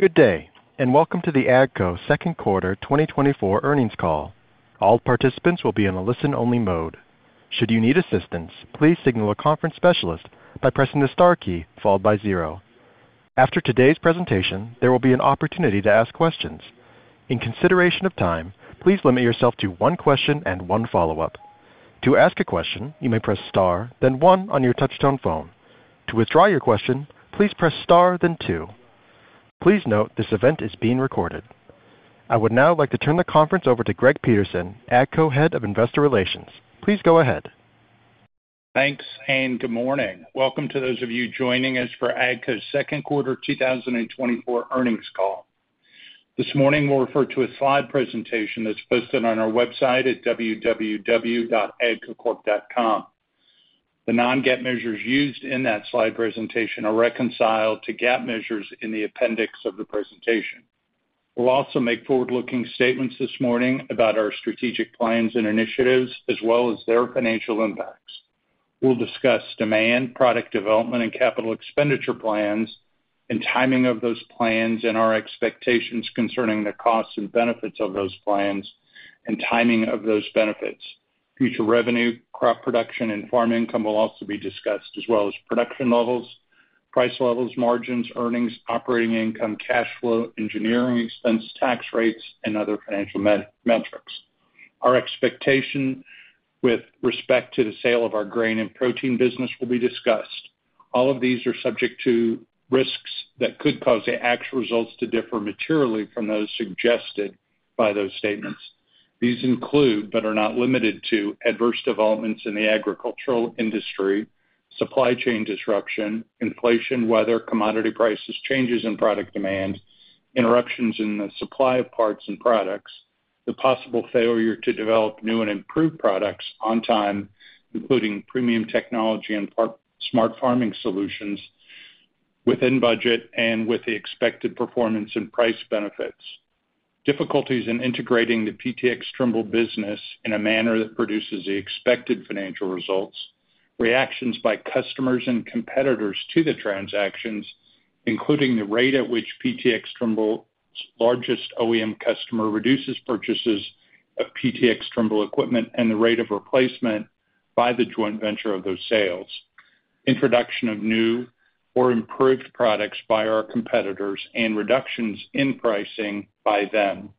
Good day, and welcome to the AGCO Second Quarter 2024 Earnings Call. All participants will be in a listen-only mode. Should you need assistance, please signal a conference specialist by pressing the star key followed by zero. After today's presentation, there will be an opportunity to ask questions. In consideration of time, please limit yourself to one question and one follow-up. To ask a question, you may press star, then one on your touch-tone phone. To withdraw your question, please press star, then two. Please note this event is being recorded. I would now like to turn the conference over to Greg Peterson, AGCO Head of Investor Relations. Please go ahead. Thanks, and good morning. Welcome to those of you joining us for AGCO's Second Quarter 2024 Earnings Call. This morning, we'll refer to a slide presentation that's posted on our website at www.agcocorp.com. The non-GAAP measures used in that slide presentation are reconciled to GAAP measures in the appendix of the presentation. We'll also make forward-looking statements this morning about our strategic plans and initiatives, as well as their financial impacts. We'll discuss demand, product development, and capital expenditure plans, and timing of those plans, and our expectations concerning the costs and benefits of those plans, and timing of those benefits. Future revenue, crop production, and farm income will also be discussed, as well as production levels, price levels, margins, earnings, operating income, cash flow, engineering expense, tax rates, and other financial metrics. Our expectation with respect to the sale of our Grain & Protein business will be discussed. All of these are subject to risks that could cause the actual results to differ materially from those suggested by those statements. These include, but are not limited to, adverse developments in the agricultural industry, supply chain disruption, inflation, weather, commodity prices, changes in product demand, interruptions in the supply of parts and products, the possible failure to develop new and improved products on time, including premium technology and smart farming solutions within budget and with the expected performance and price benefits, difficulties in integrating the PTx Trimble business in a manner that produces the expected financial results. Reactions by customers and competitors to the transactions, including the rate at which PTx Trimble's largest OEM customer reduces purchases of PTx Trimble equipment and the rate of replacement by the joint venture of those sales, introduction of new or improved products by our competitors, and reductions in pricing by them,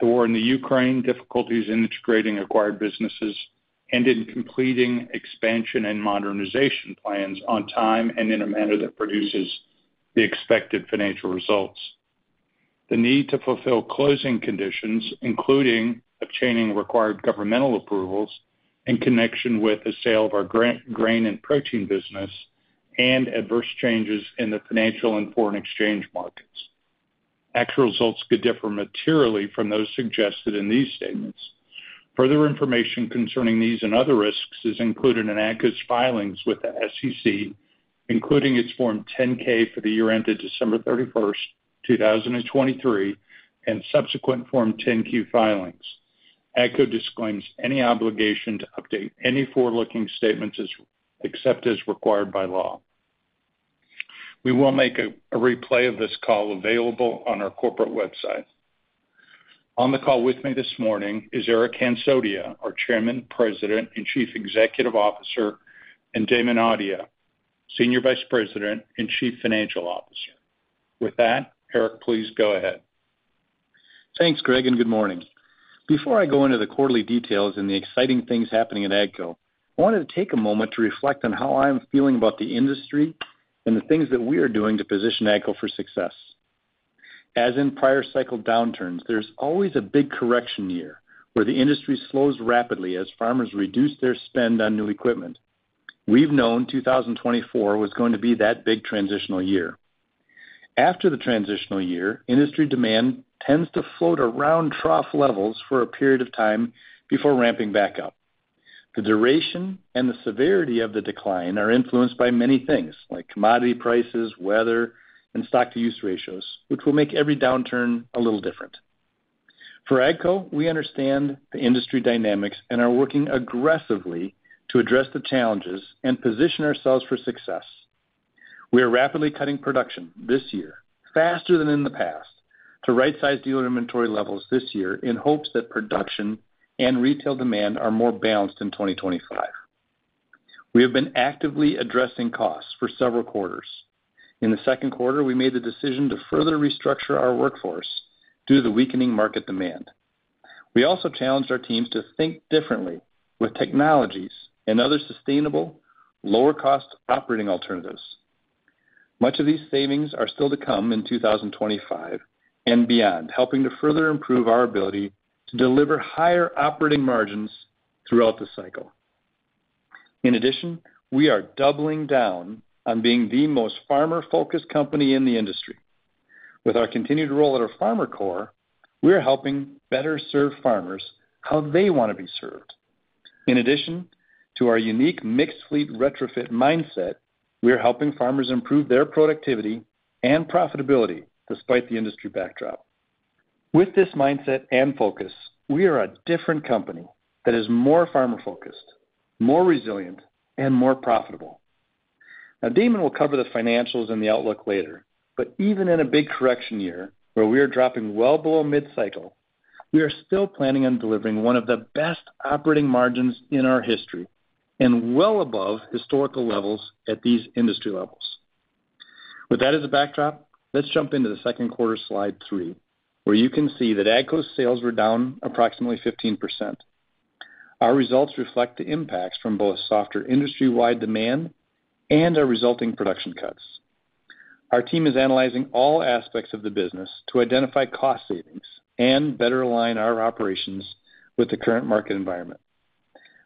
the war in Ukraine, difficulties in integrating acquired businesses, and in completing expansion and modernization plans on time and in a manner that produces the expected financial results. The need to fulfill closing conditions, including obtaining required governmental approvals in connection with the sale of our Grain & Protein business, and adverse changes in the financial and foreign exchange markets. Actual results could differ materially from those suggested in these statements. Further information concerning these and other risks is included in AGCO's filings with the SEC, including its Form 10-K for the year ended December 31st, 2023, and subsequent Form 10-Q filings. AGCO disclaims any obligation to update any forward-looking statements except as required by law. We will make a replay of this call available on our corporate website. On the call with me this morning is Eric Hansotia, our Chairman, President, and Chief Executive Officer, and Damon Audia, Senior Vice President and Chief Financial Officer. With that, Eric, please go ahead. Thanks, Greg, and good morning. Before I go into the quarterly details and the exciting things happening at AGCO, I wanted to take a moment to reflect on how I'm feeling about the industry and the things that we are doing to position AGCO for success. As in prior cycle downturns, there's always a big correction year where the industry slows rapidly as farmers reduce their spend on new equipment. We've known 2024 was going to be that big transitional year. After the transitional year, industry demand tends to float around trough levels for a period of time before ramping back up. The duration and the severity of the decline are influenced by many things like commodity prices, weather, and stocks-to-use ratios, which will make every downturn a little different. For AGCO, we understand the industry dynamics and are working aggressively to address the challenges and position ourselves for success. We are rapidly cutting production this year, faster than in the past, to right-size dealer inventory levels this year in hopes that production and retail demand are more balanced in 2025. We have been actively addressing costs for several quarters. In the second quarter, we made the decision to further restructure our workforce due to the weakening market demand. We also challenged our teams to think differently with technologies and other sustainable, lower-cost operating alternatives. Much of these savings are still to come in 2025 and beyond, helping to further improve our ability to deliver higher operating margins throughout the cycle. In addition, we are doubling down on being the most farmer-focused company in the industry. With our continued role at our FarmerCore, we are helping better serve farmers how they want to be served. In addition to our unique mixed-fleet retrofit mindset, we are helping farmers improve their productivity and profitability despite the industry backdrop. With this mindset and focus, we are a different company that is more farmer-focused, more resilient, and more profitable. Now, Damon will cover the financials and the outlook later, but even in a big correction year where we are dropping well below mid-cycle, we are still planning on delivering one of the best operating margins in our history and well above historical levels at these industry levels. With that as a backdrop, let's jump into the second quarter slide three, where you can see that AGCO's sales were down approximately 15%. Our results reflect the impacts from both softer industry-wide demand and our resulting production cuts. Our team is analyzing all aspects of the business to identify cost savings and better align our operations with the current market environment.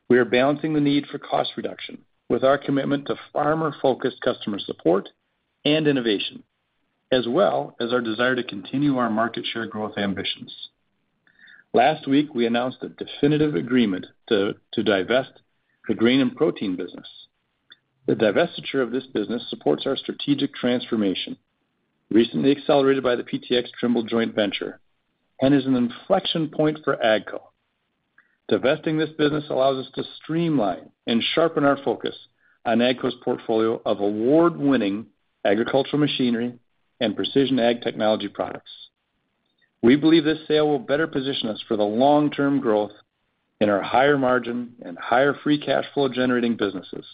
We are balancing the need for cost reduction with our commitment to farmer-focused customer support and innovation, as well as our desire to continue our market share growth ambitions. Last week, we announced a definitive agreement to divest the Grain & Protein business. The divestiture of this business supports our strategic transformation, recently accelerated by the PTx Trimble joint venture, and is an inflection point for AGCO. Divesting this business allows us to streamline and sharpen our focus on AGCO's portfolio of award-winning agricultural machinery and precision ag technology products. We believe this sale will better position us for the long-term growth in our higher margin and higher free cash flow generating businesses.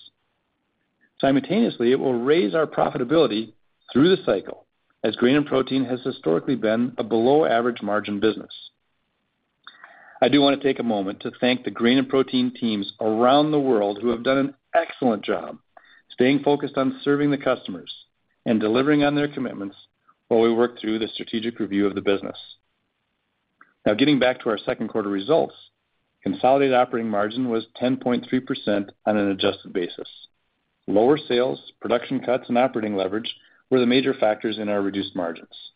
Simultaneously, it will raise our profitability through the cycle, as Grain & Protein has historically been a below-average margin business. I do want to take a moment to thank the Grain & Protein teams around the world who have done an excellent job, staying focused on serving the customers and delivering on their commitments while we work through the strategic review of the business. Now, getting back to our second quarter results, consolidated operating margin was 10.3% on an adjusted basis. Lower sales, production cuts, and operating leverage were the major factors in our reduced margins.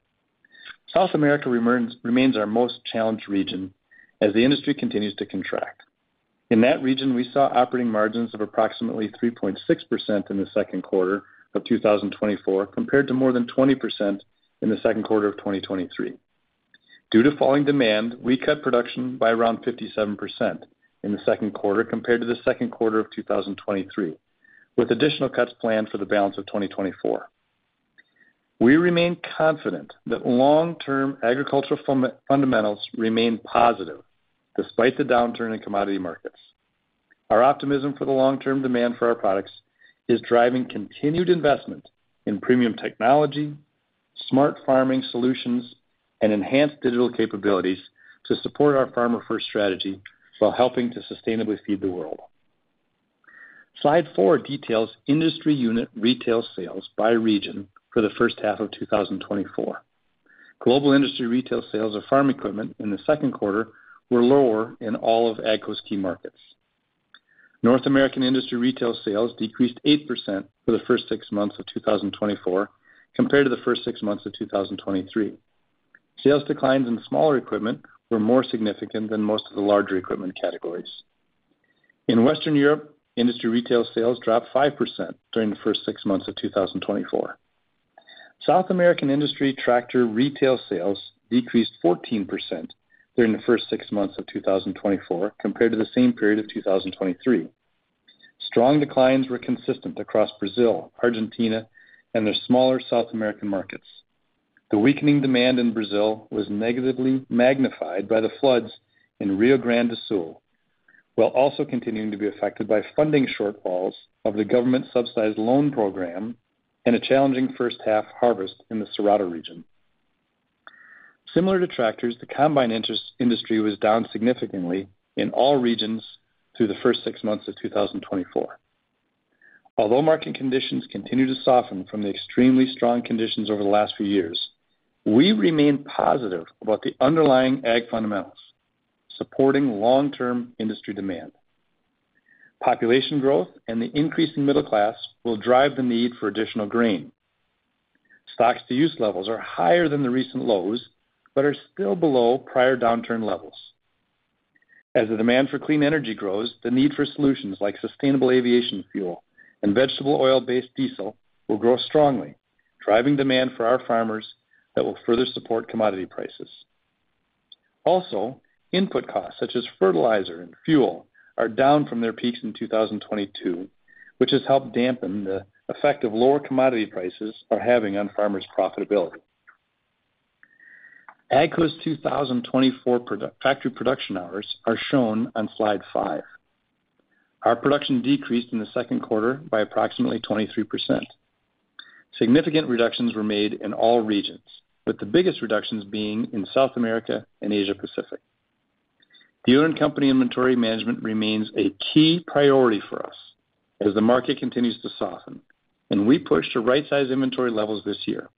South America remains our most challenged region as the industry continues to contract. In that region, we saw operating margins of approximately 3.6% in the second quarter of 2024 compared to more than 20% in the second quarter of 2023. Due to falling demand, we cut production by around 57% in the second quarter compared to the second quarter of 2023, with additional cuts planned for the balance of 2024. We remain confident that long-term agricultural fundamentals remain positive despite the downturn in commodity markets. Our optimism for the long-term demand for our products is driving continued investment in premium technology, smart farming solutions, and enhanced digital capabilities to support our farmer-first strategy while helping to sustainably feed the world. Slide four details industry unit retail sales by region for the first half of 2024. Global industry retail sales of farm equipment in the second quarter were lower in all of AGCO's key markets. North American industry retail sales decreased 8% for the first six months of 2024 compared to the first six months of 2023. Sales declines in smaller equipment were more significant than most of the larger equipment categories. In Western Europe, industry retail sales dropped 5% during the first six months of 2024. South American industry tractor retail sales decreased 14% during the first six months of 2024 compared to the same period of 2023. Strong declines were consistent across Brazil, Argentina, and the smaller South American markets. The weakening demand in Brazil was negatively magnified by the floods in Rio Grande do Sul, while also continuing to be affected by funding shortfalls of the government-subsidized loan program and a challenging first-half harvest in the Cerrado region. Similar to tractors, the combine industry was down significantly in all regions through the first six months of 2024. Although market conditions continue to soften from the extremely strong conditions over the last few years, we remain positive about the underlying ag fundamentals supporting long-term industry demand. Population growth and the increasing middle class will drive the need for additional grain. Stocks-to-use levels are higher than the recent lows but are still below prior downturn levels. As the demand for clean energy grows, the need for solutions like sustainable aviation fuel and vegetable oil-based diesel will grow strongly, driving demand for our farmers that will further support commodity prices. Also, input costs such as fertilizer and fuel are down from their peaks in 2022, which has helped dampen the effect of lower commodity prices on farmers' profitability. AGCO's 2024 factory production hours are shown on slide five. Our production decreased in the second quarter by approximately 23%. Significant reductions were made in all regions, with the biggest reductions being in South America and Asia-Pacific. The owner and company inventory management remains a key priority for us as the market continues to soften, and we push to right-size inventory levels this year.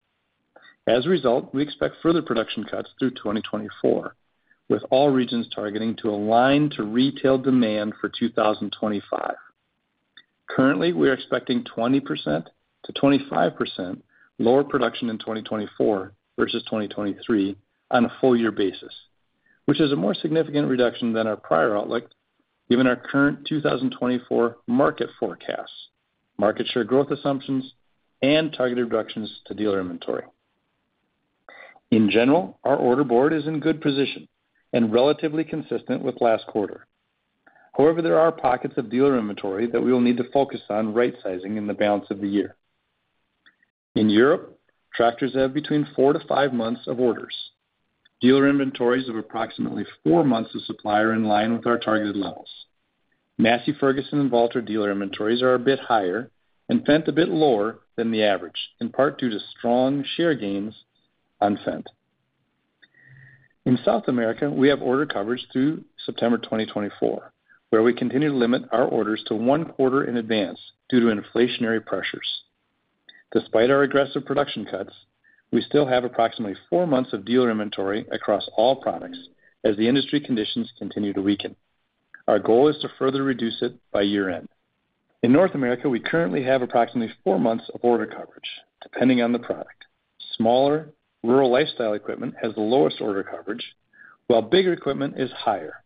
As a result, we expect furtherproduction cuts through 2024, with all regions targeting to align to retail demand for 2025. Currently, we are expecting 20%-25% lower production in 2024 versus 2023 on a full-year basis, which is a more significant reduction than our prior outlook given our current 2024 market forecasts, market share growth assumptions, and targeted reductions to dealer inventory. In general, our order board is in good position and relatively consistent with last quarter. However, there are pockets of dealer inventory that we will need to focus on right-sizing in the balance of the year. In Europe, tractors have between four to five months of orders. Dealer inventories of approximately four months of supply are in line with our targeted levels. Massey Ferguson and Valtra dealer inventories are a bit higher and Fendt a bit lower than the average, in part due to strong share gains on Fendt. In South America, we have order coverage through September 2024, where we continue to limit our orders to one quarter in advance due to inflationary pressures. Despite our aggressive production cuts, we still have approximately four months of dealer inventory across all products as the industry conditions continue to weaken. Our goal is to further reduce it by year-end. In North America, we currently have approximately four months of order coverage depending on the product. Smaller rural lifestyle equipment has the lowest order coverage, while bigger equipment is higher.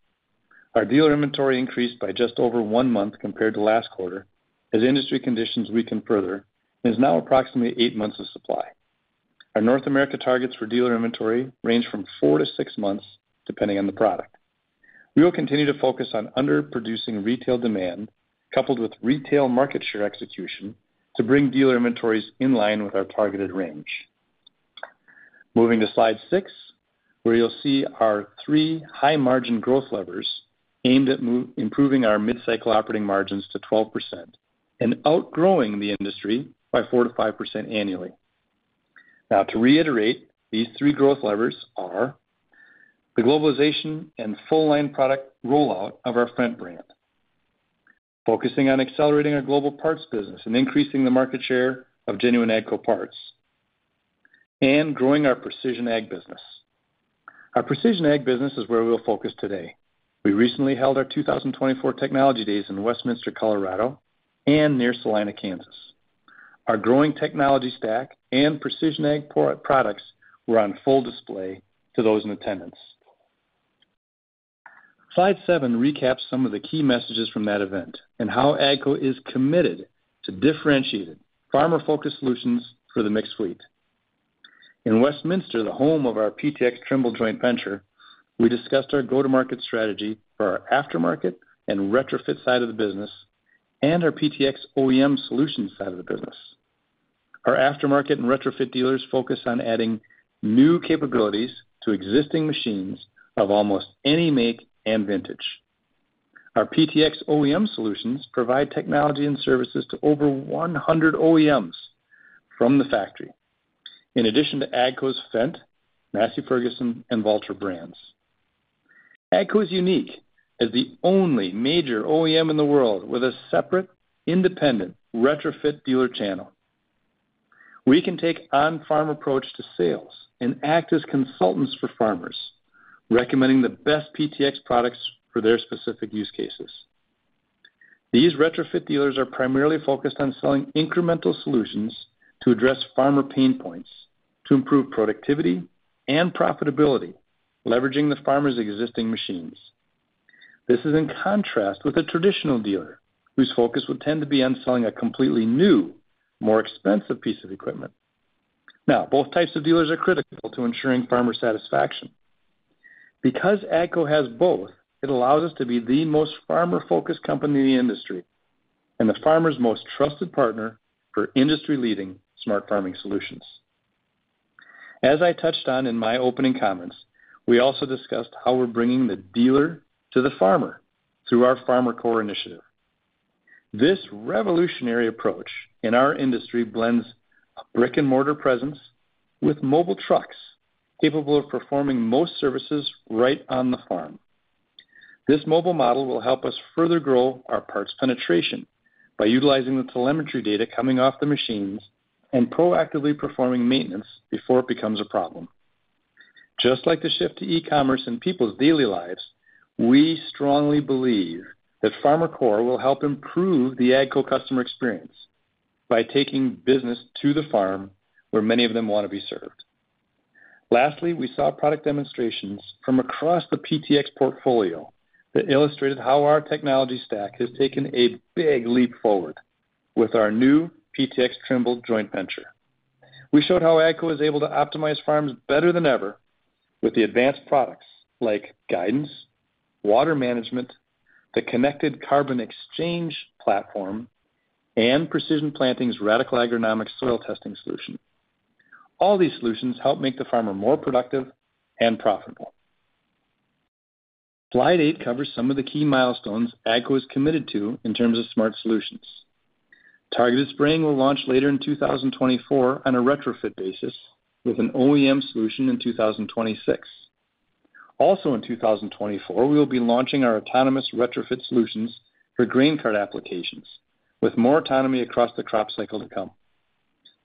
Our dealer inventory increased by just over one month compared to last quarter as industry conditions weaken further and is now approximately eight months of supply. Our North America targets for dealer inventory range from 4-6 months depending on the product. We will continue to focus on underproducing retail demand coupled with retail market share execution to bring dealer inventories in line with our targeted range. Moving to slide six, where you'll see our three high-margin growth levers aimed at improving our mid-cycle operating margins to 12% and outgrowing the industry by 4%-5% annually. Now, to reiterate, these three growth levers are the globalization and full-line product rollout of our Fendt brand, focusing on accelerating our global parts business and increasing the market share of genuine AGCO parts, and growing our precision ag business. Our precision ag business is where we will focus today. We recently held our 2024 Technology Days in Westminster, Colorado, and near Salina, Kansas. Our growing technology stack and precision ag products were on full display to those in attendance. Slide seven recaps some of the key messages from that event and how AGCO is committed to differentiated farmer-focused solutions for the mixed-fleet. In Westminster, the home of our PTx Trimble joint venture, we discussed our go-to-market strategy for our aftermarket and retrofit side of the business and our PTx OEM solution side of the business. Our aftermarket and retrofit dealers focus on adding new capabilities to existing machines of almost any make and vintage. Our PTx OEM solutions provide technology and services to over 100 OEMs from the factory, in addition to AGCO's Fendt, Massey Ferguson, and Valtra brands. AGCO is unique as the only major OEM in the world with a separate independent retrofit dealer channel. We can take on-farm approach to sales and act as consultants for farmers, recommending the best PTx products for their specific use cases. These retrofit dealers are primarily focused on selling incremental solutions to address farmer pain points to improve productivity and profitability, leveraging the farmer's existing machines. This is in contrast with a traditional dealer whose focus would tend to be on selling a completely new, more expensive piece of equipment. Now, both types of dealers are critical to ensuring farmer satisfaction. Because AGCO has both, it allows us to be the most farmer-focused company in the industry and the farmer's most trusted partner for industry-leading smart farming solutions. As I touched on in my opening comments, we also discussed how we're bringing the dealer to the farmer through our FarmerCore initiative. This revolutionary approach in our industry blends a brick-and-mortar presence with mobile trucks capable of performing most services right on the farm. This mobile model will help us further grow our parts penetration by utilizing the telemetry data coming off the machines and proactively performing maintenance before it becomes a problem. Just like the shift to e-commerce in people's daily lives, we strongly believe that FarmerCore will help improve the AGCO customer experience by taking business to the farm where many of them want to be served. Lastly, we saw product demonstrations from across the PTx portfolio that illustrated how our technology stack has taken a big leap forward with our new PTx Trimble joint venture. We showed how AGCO is able to optimize farms better than ever with the advanced products like guidance, water management, the connected carbon exchange platform, and Precision Planting's Radicle Agronomics soil testing solution. All these solutions help make the farmer more productive and profitable. Slide eight covers some of the key milestones AGCO is committed to in terms of smart solutions. Targeted spraying will launch later in 2024 on a retrofit basis with an OEM solution in 2026. Also, in 2024, we will be launching our autonomous retrofit solutions for grain cart applications with more autonomy across the crop cycle to come.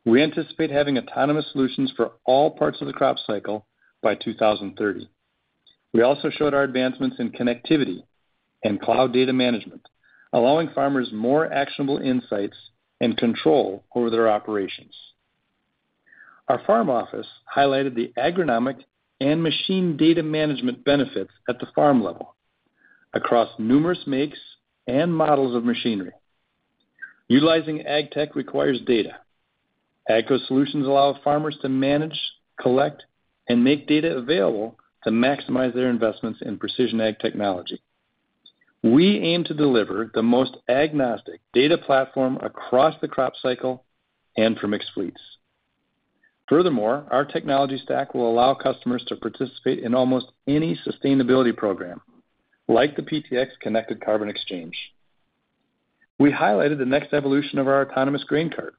We anticipate having autonomous solutions for all parts of the crop cycle by 2030. We also showed our advancements in connectivity and cloud data management, allowing farmers more actionable insights and control over their operations. Our farm office highlighted the agronomic and machine data management benefits at the farm level across numerous makes and models of machinery. Utilizing ag tech requires data. AGCO solutions allow farmers to manage, collect, and make data available to maximize their investments in precision ag technology. We aim to deliver the most agnostic data platform across the crop cycle and for mixed fleets. Furthermore, our technology stack will allow customers to participate in almost any sustainability program, like the PTx connected carbon exchange. We highlighted the next evolution of our autonomous grain cart,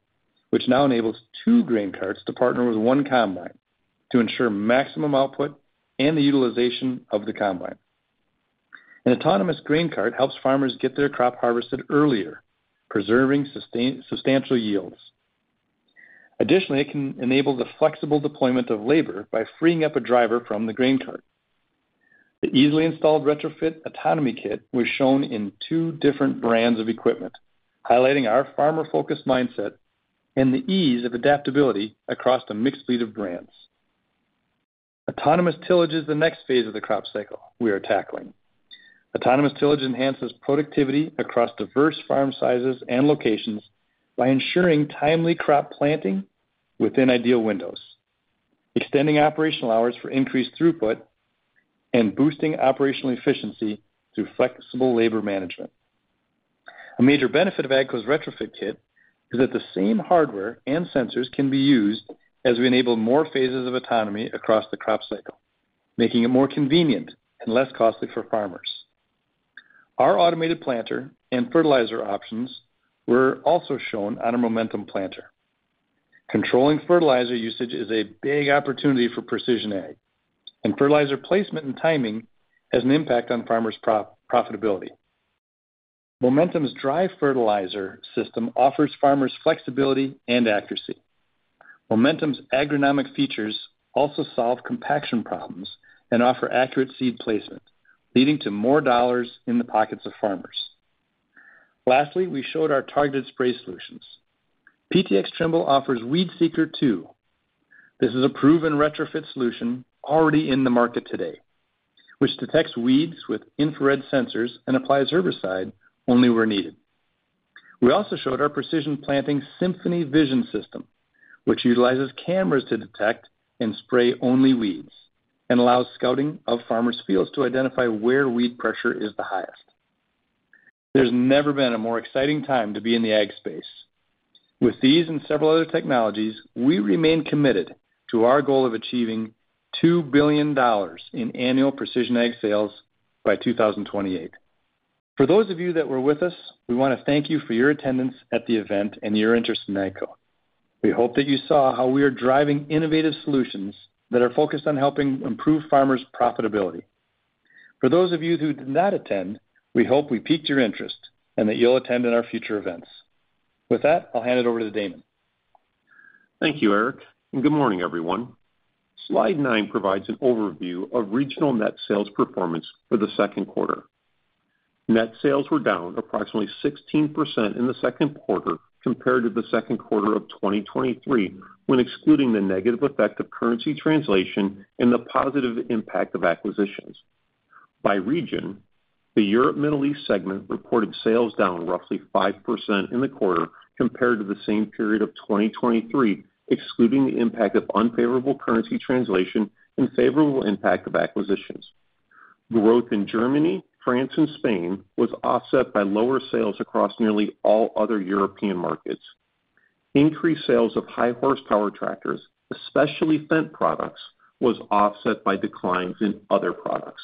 which now enables two grain carts to partner with one combine to ensure maximum output and the utilization of the combine. An autonomous grain cart helps farmers get their crop harvested earlier, preserving substantial yields. Additionally, it can enable the flexible deployment of labor by freeing up a driver from the grain cart. The easily installed retrofit autonomy kit was shown in two different brands of equipment, highlighting our farmer-focused mindset and the ease of adaptability across the mixed fleet of brands. Autonomous tillage is the next phase of the crop cycle we are tackling. Autonomous tillage enhances productivity across diverse farm sizes and locations by ensuring timely crop planting within ideal windows, extending operational hours for increased throughput, and boosting operational efficiency through flexible labor management. A major benefit of AGCO's retrofit kit is that the same hardware and sensors can be used as we enable more phases of autonomy across the crop cycle, making it more convenient and less costly for farmers. Our automated planter and fertilizer options were also shown on a Momentum planter. Controlling fertilizer usage is a big opportunity for precision ag, and fertilizer placement and timing has an impact on farmers' profitability. Momentum's dry fertilizer system offers farmers' flexibility and accuracy. Momentum's agronomic features also solve compaction problems and offer accurate seed placement, leading to more dollars in the pockets of farmers. Lastly, we showed our targeted spray solutions. PTx Trimble offers WeedSeeker 2. This is a proven retrofit solution already in the market today, which detects weeds with infrared sensors and applies herbicide only where needed. We also showed our Precision Planting Symphony Vision system, which utilizes cameras to detect and spray only weeds and allows scouting of farmer's fields to identify where weed pressure is the highest. There's never been a more exciting time to be in the ag space. With these and several other technologies, we remain committed to our goal of achieving $2 billion in annual precision ag sales by 2028. For those of you that were with us, we want to thank you for your attendance at the event and your interest in AGCO. We hope that you saw how we are driving innovative solutions that are focused on helping improve farmers' profitability. For those of you who did not attend, we hope we piqued your interest and that you'll attend in our future events. With that, I'll hand it over to Damon. Thank you, Eric. And good morning, everyone. Slide nine provides an overview of regional net sales performance for the second quarter. Net sales were down approximately 16% in the second quarter compared to the second quarter of 2023, when excluding the negative effect of currency translation and the positive impact of acquisitions. By region, the Europe-Middle East segment reported sales down roughly 5% in the quarter compared to the same period of 2023, excluding the impact of unfavorable currency translation and favorable impact of acquisitions. Growth in Germany, France, and Spain was offset by lower sales across nearly all other European markets. Increased sales of high-horsepower tractors, especially Fendt products, was offset by declines in other products.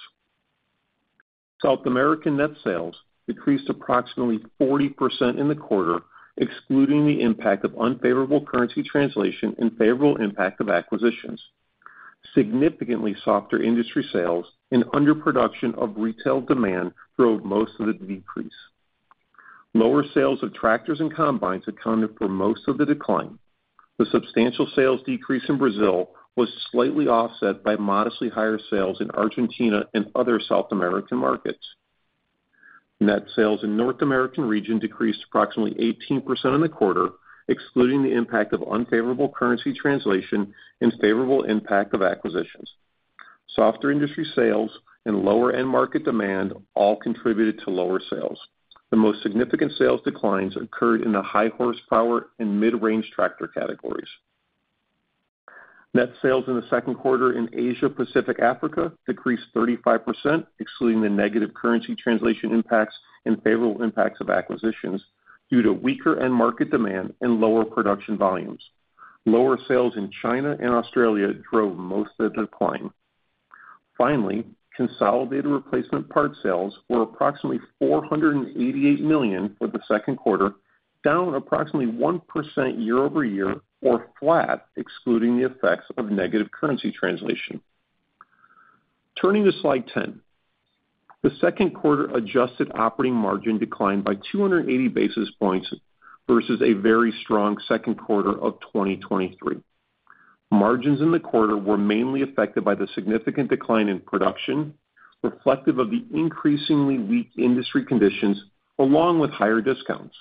South American net sales decreased approximately 40% in the quarter, excluding the impact of unfavorable currency translation and favorable impact of acquisitions. Significantly softer industry sales and underproduction of retail demand drove most of the decrease. Lower sales of tractors and combines accounted for most of the decline. The substantial sales decrease in Brazil was slightly offset by modestly higher sales in Argentina and other South American markets. Net sales in North American region decreased approximately 18% in the quarter, excluding the impact of unfavorable currency translation and favorable impact of acquisitions. Softer industry sales and lower-end market demand all contributed to lower sales. The most significant sales declines occurred in the high-horsepower and mid-range tractor categories. Net sales in the second quarter in Asia-Pacific Africa decreased 35%, excluding the negative currency translation impacts and favorable impacts of acquisitions due to weaker end market demand and lower production volumes. Lower sales in China and Australia drove most of the decline. Finally, consolidated replacement parts sales were approximately $488 million for the second quarter, down approximately 1% year-over-year, or flat, excluding the effects of negative currency translation. Turning to slide 10, the second quarter adjusted operating margin declined by 280 basis points versus a very strong second quarter of 2023. Margins in the quarter were mainly affected by the significant decline in production, reflective of the increasingly weak industry conditions along with higher discounts.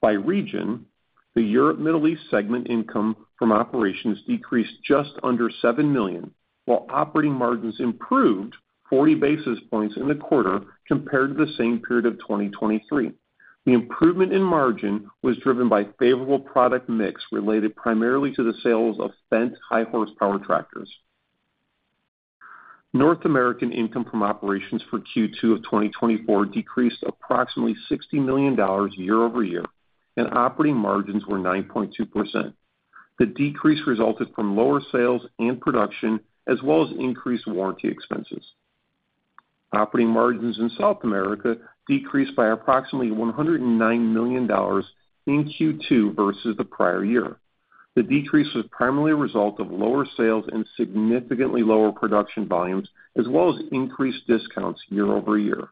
By region, the Europe-Middle East segment income from operations decreased just under $7 million, while operating margins improved 40 basis points in the quarter compared to the same period of 2023. The improvement in margin was driven by favorable product mix related primarily to the sales of Fendt high-horsepower tractors. North American income from operations for Q2 of 2024 decreased approximately $60 million year over year, and operating margins were 9.2%. The decrease resulted from lower sales and production, as well as increased warranty expenses. Operating margins in South America decreased by approximately $109 million in Q2 versus the prior year. The decrease was primarily a result of lower sales and significantly lower production volumes, as well as increased discounts year over year.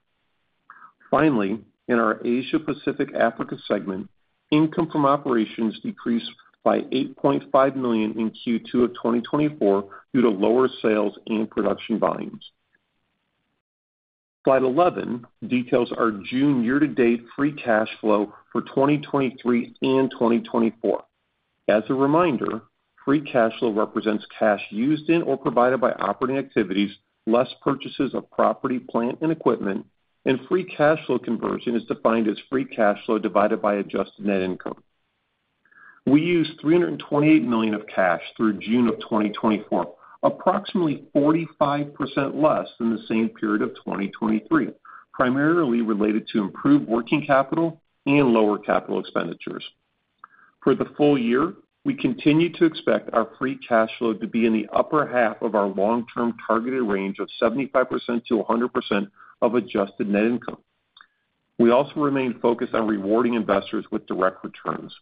Finally, in our Asia-Pacific Africa segment, income from operations decreased by $8.5 million in Q2 of 2024 due to lower sales and production volumes. Slide 11 details our June year-to-date free cash flow for 2023 and 2024. As a reminder, free cash flow represents cash used in or provided by operating activities, less purchases of property, plant, and equipment, and free cash flow conversion is defined as free cash flow divided by adjusted net income. We used $328 million of cash through June of 2024, approximately 45% less than the same period of 2023, primarily related to improved working capital and lower capital expenditures. For the full year, we continue to expect our free cash flow to be in the upper half of our long-term targeted range of 75%-100% of adjusted net income. We also remain focused on rewarding investors with direct returns.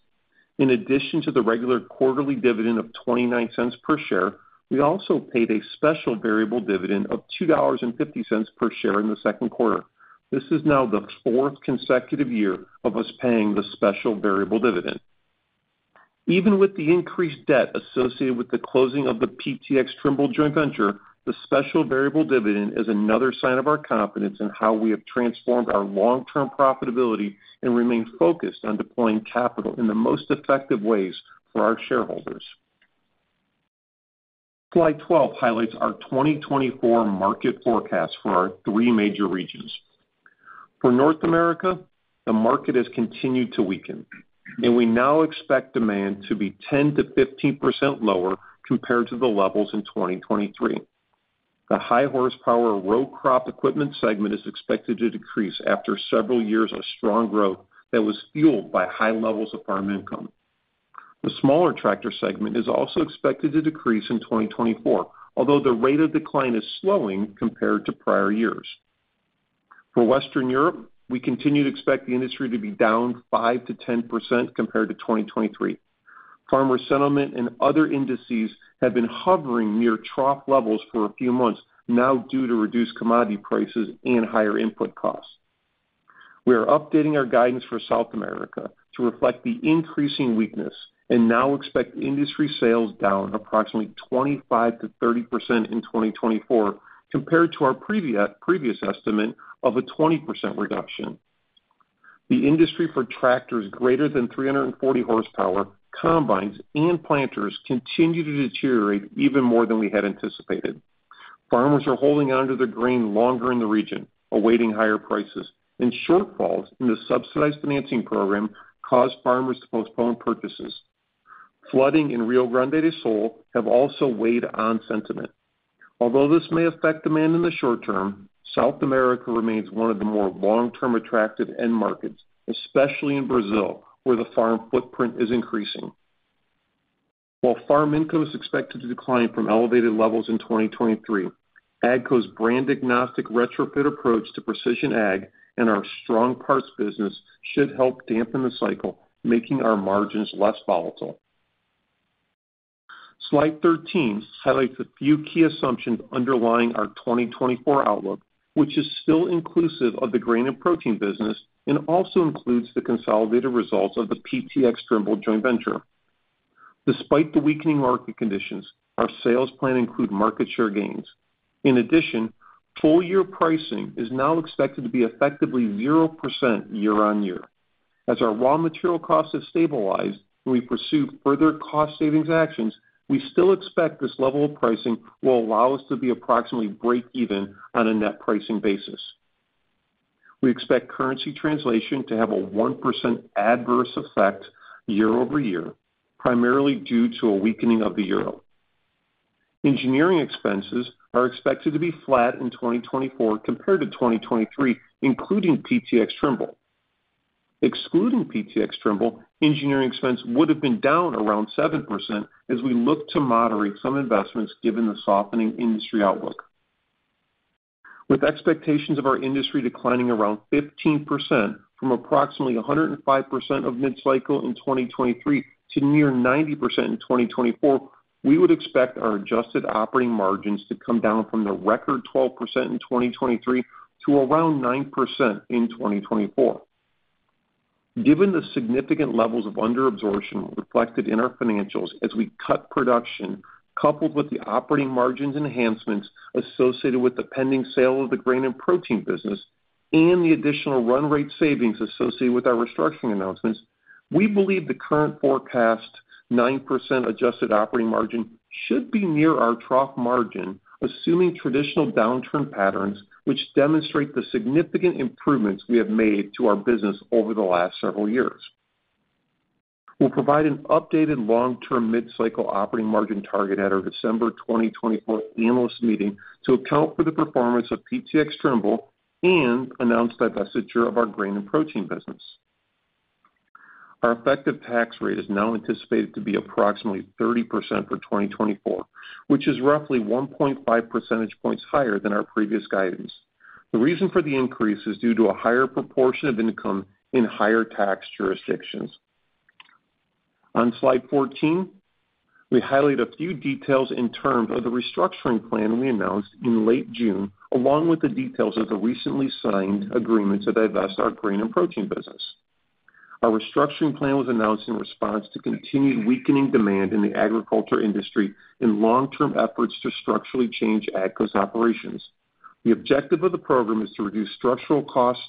In addition to the regular quarterly dividend of $0.29 per share, we also paid a special variable dividend of $2.50 per share in the second quarter. This is now the fourth consecutive year of us paying the special variable dividend. Even with the increased debt associated with the closing of the PTx Trimble joint venture, the special variable dividend is another sign of our confidence in how we have transformed our long-term profitability and remain focused on deploying capital in the most effective ways for our shareholders. Slide 12 highlights our 2024 market forecast for our three major regions. For North America, the market has continued to weaken, and we now expect demand to be 10%-15% lower compared to the levels in 2023. The high-horsepower row crop equipment segment is expected to decrease after several years of strong growth that was fueled by high levels of farm income. The smaller tractor segment is also expected to decrease in 2024, although the rate of decline is slowing compared to prior years. For Western Europe, we continue to expect the industry to be down 5%-10% compared to 2023. Farmer sentiment and other indices have been hovering near trough levels for a few months now due to reduced commodity prices and higher input costs. We are updating our guidance for South America to reflect the increasing weakness and now expect industry sales down approximately 25%-30% in 2024 compared to our previous estimate of a 20% reduction. The industry for tractors greater than 340 horsepower, combines, and planters continue to deteriorate even more than we had anticipated. Farmers are holding onto their grain longer in the region, awaiting higher prices, and shortfalls in the subsidized financing program caused farmers to postpone purchases. Flooding in Rio Grande do Sul have also weighed on sentiment. Although this may affect demand in the short term, South America remains one of the more long-term attractive end markets, especially in Brazil, where the farm footprint is increasing. While farm income is expected to decline from elevated levels in 2023, AGCO's brand-agnostic retrofit approach to precision ag and our strong parts business should help dampen the cycle, making our margins less volatile. Slide 13 highlights a few key assumptions underlying our 2024 outlook, which is still inclusive of the Grain & Protein business and also includes the consolidated results of the PTx Trimble joint venture. Despite the weakening market conditions, our sales plan includes market share gains. In addition, full-year pricing is now expected to be effectively 0% year-over-year. As our raw material costs have stabilized and we pursue further cost savings actions, we still expect this level of pricing will allow us to be approximately break-even on a net pricing basis. We expect currency translation to have a 1% adverse effect year-over-year, primarily due to a weakening of the euro. Engineering expenses are expected to be flat in 2024 compared to 2023, including PTx Trimble. Excluding PTx Trimble, engineering expense would have been down around 7% as we look to moderate some investments given the softening industry outlook. With expectations of our industry declining around 15% from approximately 105% of mid-cycle in 2023 to near 90% in 2024, we would expect our adjusted operating margins to come down from the record 12% in 2023 to around 9% in 2024. Given the significant levels of underabsorption reflected in our financials as we cut production, coupled with the operating margins enhancements associated with the pending sale of the Grain & Protein business and the additional run rate savings associated with our restructuring announcements, we believe the current forecast 9% adjusted operating margin should be near our trough margin, assuming traditional downturn patterns, which demonstrate the significant improvements we have made to our business over the last several years. We'll provide an updated long-term mid-cycle operating margin target at our December 2024 analyst meeting to account for the performance of PTx Trimble and announced divestiture of our Grain & Protein business. Our effective tax rate is now anticipated to be approximately 30% for 2024, which is roughly 1.5% points higher than our previous guidance. The reason for the increase is due to a higher proportion of income in higher tax jurisdictions. On slide 14, we highlight a few details in terms of the restructuring plan we announced in late June, along with the details of the recently signed agreement to divest our Grain & Protein business. Our restructuring plan was announced in response to continued weakening demand in the agriculture industry and long-term efforts to structurally change AGCO's operations. The objective of the program is to reduce structural costs,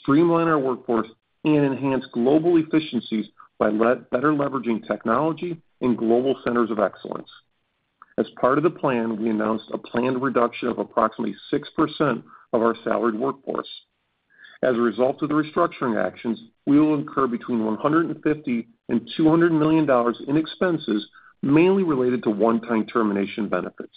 streamline our workforce, and enhance global efficiencies by better leveraging technology and global centers of excellence. As part of the plan, we announced a planned reduction of approximately 6% of our salaried workforce. As a result of the restructuring actions, we will incur between $150 million-$200 million in expenses, mainly related to one-time termination benefits.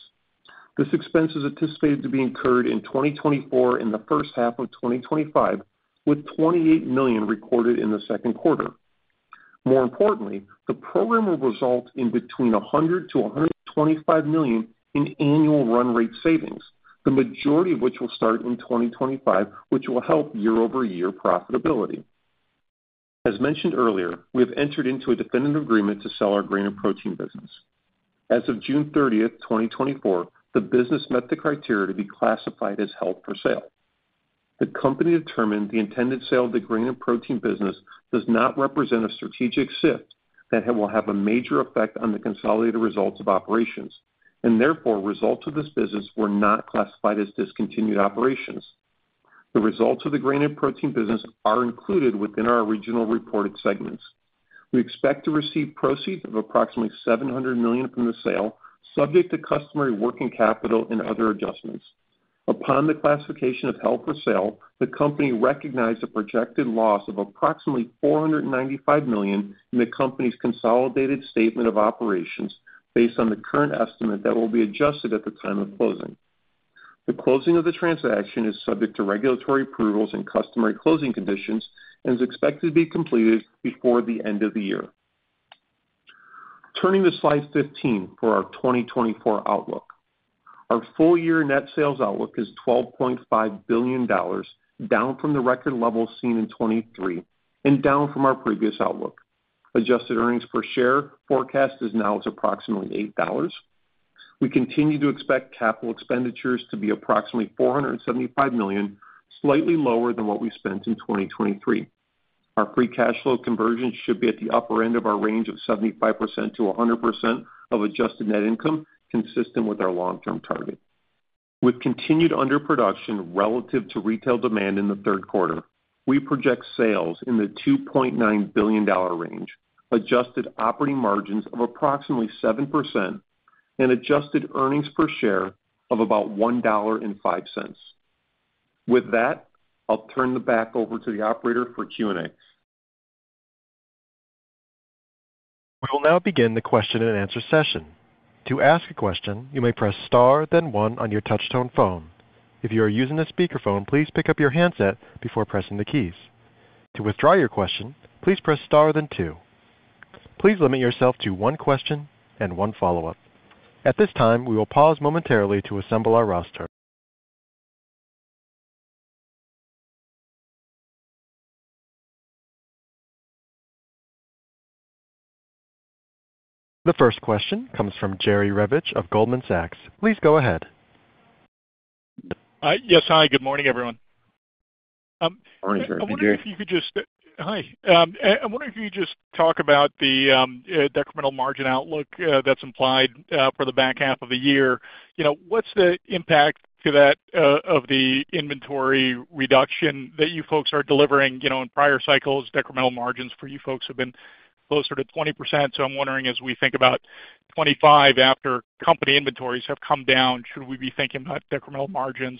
This expense is anticipated to be incurred in 2024 and the first half of 2025, with $28 million recorded in the second quarter. More importantly, the program will result in between $100 million-$125 million in annual run rate savings, the majority of which will start in 2025, which will help year-over-year profitability. As mentioned earlier, we have entered into a definitive agreement to sell our Grain & Protein business. As of June 30, 2024, the business met the criteria to be classified as held for sale. The company determined the intended sale of the Grain & Protein business does not represent a strategic shift that will have a major effect on the consolidated results of operations, and therefore results of this business were not classified as discontinued operations. The results of the Grain & Protein business are included within our original reported segments. We expect to receive proceeds of approximately $700 million from the sale, subject to customary working capital and other adjustments. Upon the classification of held for sale, the company recognized a projected loss of approximately $495 million in the company's consolidated statement of operations based on the current estimate that will be adjusted at the time of closing. The closing of the transaction is subject to regulatory approvals and customary closing conditions and is expected to be completed before the end of the year. Turning to slide 15 for our 2024 outlook, our full-year net sales outlook is $12.5 billion, down from the record levels seen in 2023 and down from our previous outlook. Adjusted earnings per share forecast is now approximately $8. We continue to expect capital expenditures to be approximately $475 million, slightly lower than what we spent in 2023. Our free cash flow conversion should be at the upper end of our range of 75%-100% of adjusted net income, consistent with our long-term target. With continued underproduction relative to retail demand in the third quarter, we project sales in the $2.9 billion range, adjusted operating margins of approximately 7%, and adjusted earnings per share of about $1.05. With that, I'll turn the call back over to the operator for Q&A. We will now begin the question and answer session. To ask a question, you may press star, then one on your touch-tone phone. If you are using a speakerphone, please pick up your handset before pressing the keys. To withdraw your question, please press star, then two. Please limit yourself to one question and one follow-up. At this time, we will pause momentarily to assemble our roster. The first question comes from Jerry Revich of Goldman Sachs.Please go ahead. Yes, hi. Good morning, everyone. Morning, sir. I'm wondering if you could just talk about the decremental margin outlook that's implied for the back half of the year. What's the impact of the inventory reduction that you folks are delivering in prior cycles? Decremental margins for you folks have been closer to 20%. So I'm wondering, as we think about 2025, after company inventories have come down, should we be thinking about decremental margins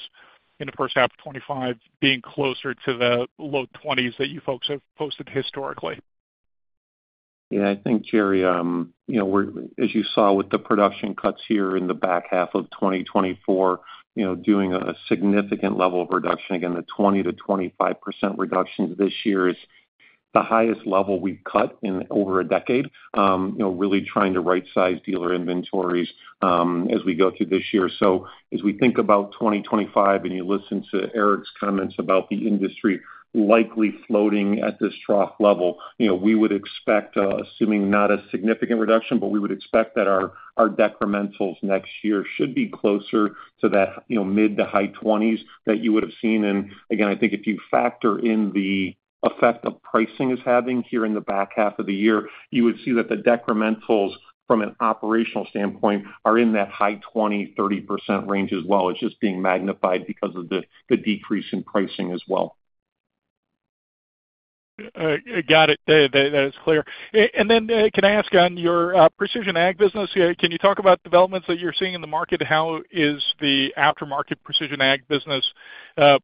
in the first half of 2025 being closer to the low 20s that you folks have posted historically? Yeah, I think, Jerry, as you saw with the production cuts here in the back half of 2024, doing a significant level of reduction. Again, the 20%-25% reductions this year is the highest level we've cut in over a decade, really trying to right-size dealer inventories as we go through this year. So as we think about 2025 and you listen to Eric's comments about the industry likely floating at this trough level, we would expect, assuming not a significant reduction, but we would expect that our decrementals next year should be closer to that mid- to high-20s that you would have seen. And again, I think if you factor in the effect of pricing is having here in the back half of the year, you would see that the decrementals from an operational standpoint are in that high-20%-30% range as well.It's just being magnified because of the decrease in pricing as well. Got it. That is clear. And then can I ask on your precision ag business? Can you talk about developments that you're seeing in the market? How is the aftermarket precision ag business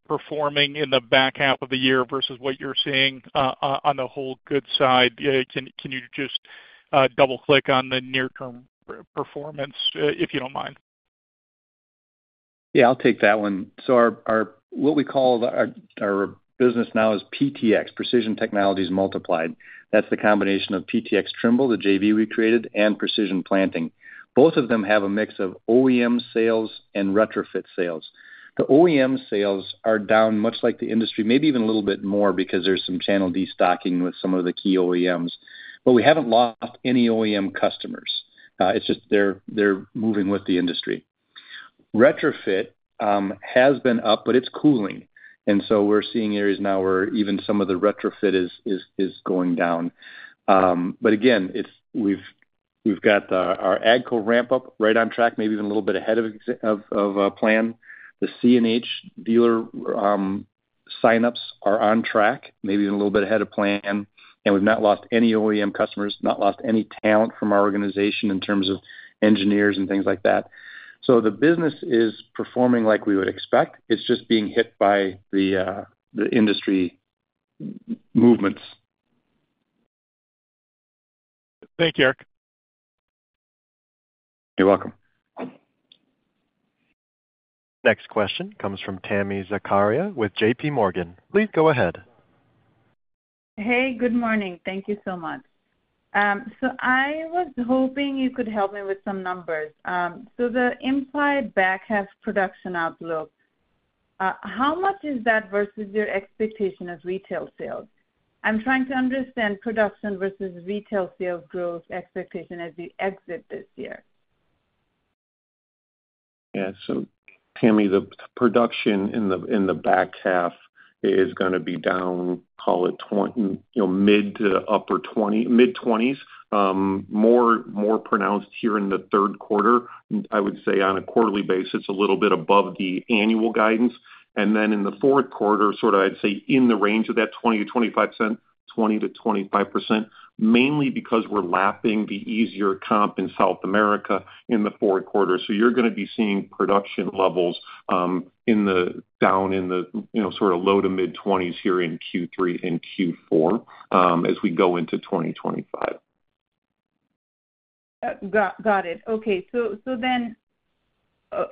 performing in the back half of the year versus what you're seeing on the whole good side? Can you just double-click on the near-term performance if you don't mind? Yeah, I'll take that one. So what we call our business now is PTx, Precision Technologies Multiplied. That's the combination of PTx Trimble, the JV we created, and Precision Planting. Both of them have a mix of OEM sales and retrofit sales. The OEM sales are down much like the industry, maybe even a little bit more because there's some channel destocking with some of the key OEMs. But we haven't lost any OEM customers. It's just they're moving with the industry. Retrofit has been up, but it's cooling. And so we're seeing areas now where even some of the retrofit is going down. But again, we've got our AGCO ramp-up right on track, maybe even a little bit ahead of plan. The CNH dealer sign-ups are on track, maybe even a little bit ahead of plan. And we've not lost any OEM customers, not lost any talent from our organization in terms of engineers and things like that. So the business is performing like we would expect. It's just being hit by the industry movements. Thank you, Eric. You're welcome. Next question comes from Tami Zakaria with JPMorgan. Please go ahead. Hey, good morning. Thank you so much. So I was hoping you could help me with some numbers. So the implied back-half production outlook, how much is that versus your expectation of retail sales? I'm trying to understand production versus retail sales growth expectation as you exit this year. Yeah. So Tami, the production in the back half is going to be down, call it mid- to upper mid-20s, more pronounced here in the third quarter. I would say on a quarterly basis, a little bit above the annual guidance. And then in the fourth quarter, sort of I'd say in the range of that 20%-25%, mainly because we're lapping the easier comp in South America in the fourth quarter. So you're going to be seeing production levels down in the sort of low- to mid-20s here in Q3 and Q4 as we go into 2025. Got it. Okay. So then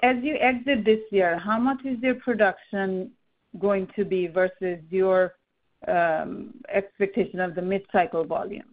as you exit this year, how much is your production going to be versus your expectation of the mid-cycle volume?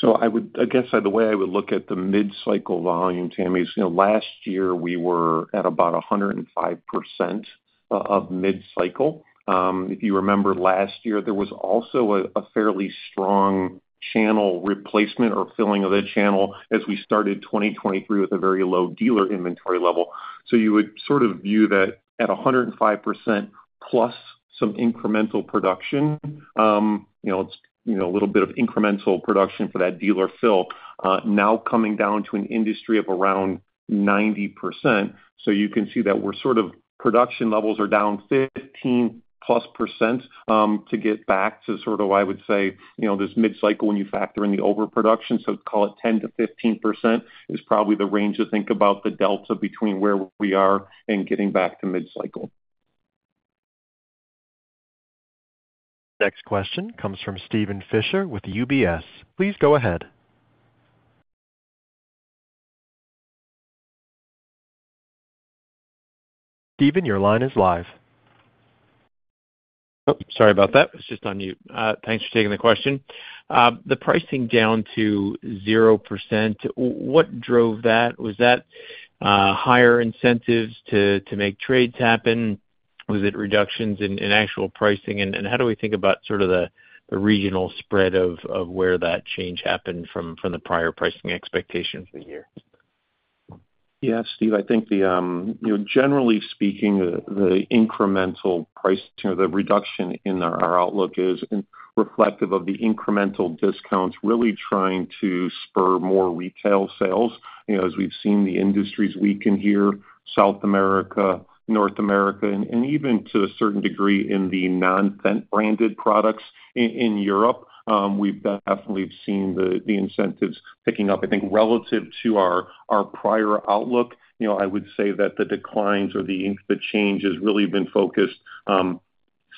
So I guess the way I would look at the mid-cycle volume, Tami, is last year we were at about 105% of mid-cycle. If you remember last year, there was also a fairly strong channel replacement or filling of the channel as we started 2023 with a very low dealer inventory level. So you would sort of view that at 105% plus some incremental production, a little bit of incremental production for that dealer fill, now coming down to an industry of around 90%. So you can see that we're sort of production levels are down 15%+ to get back to sort of, I would say, this mid-cycle when you factor in the overproduction. So call it 10%-15% is probably the range to think about the delta between where we are and getting back to mid-cycle. Next question comes from Steven Fisher with UBS. Please go ahead. Steven, your line is live. Oh, sorry about that. It's just on mute. Thanks for taking the question. The pricing down to 0%, what drove that? Was that higher incentives to make trades happen? Was it reductions in actual pricing? And how do we think about sort of the regional spread of where that change happened from the prior pricing expectations of the year? Yeah, Steve, I think generally speaking, the incremental pricing or the reduction in our outlook is reflective of the incremental discounts really trying to spur more retail sales. As we've seen the industries weaken here, South America, North America, and even to a certain degree in the non-branded products in Europe, we've definitely seen the incentives picking up. I think relative to our prior outlook, I would say that the declines or the changes really have been focused on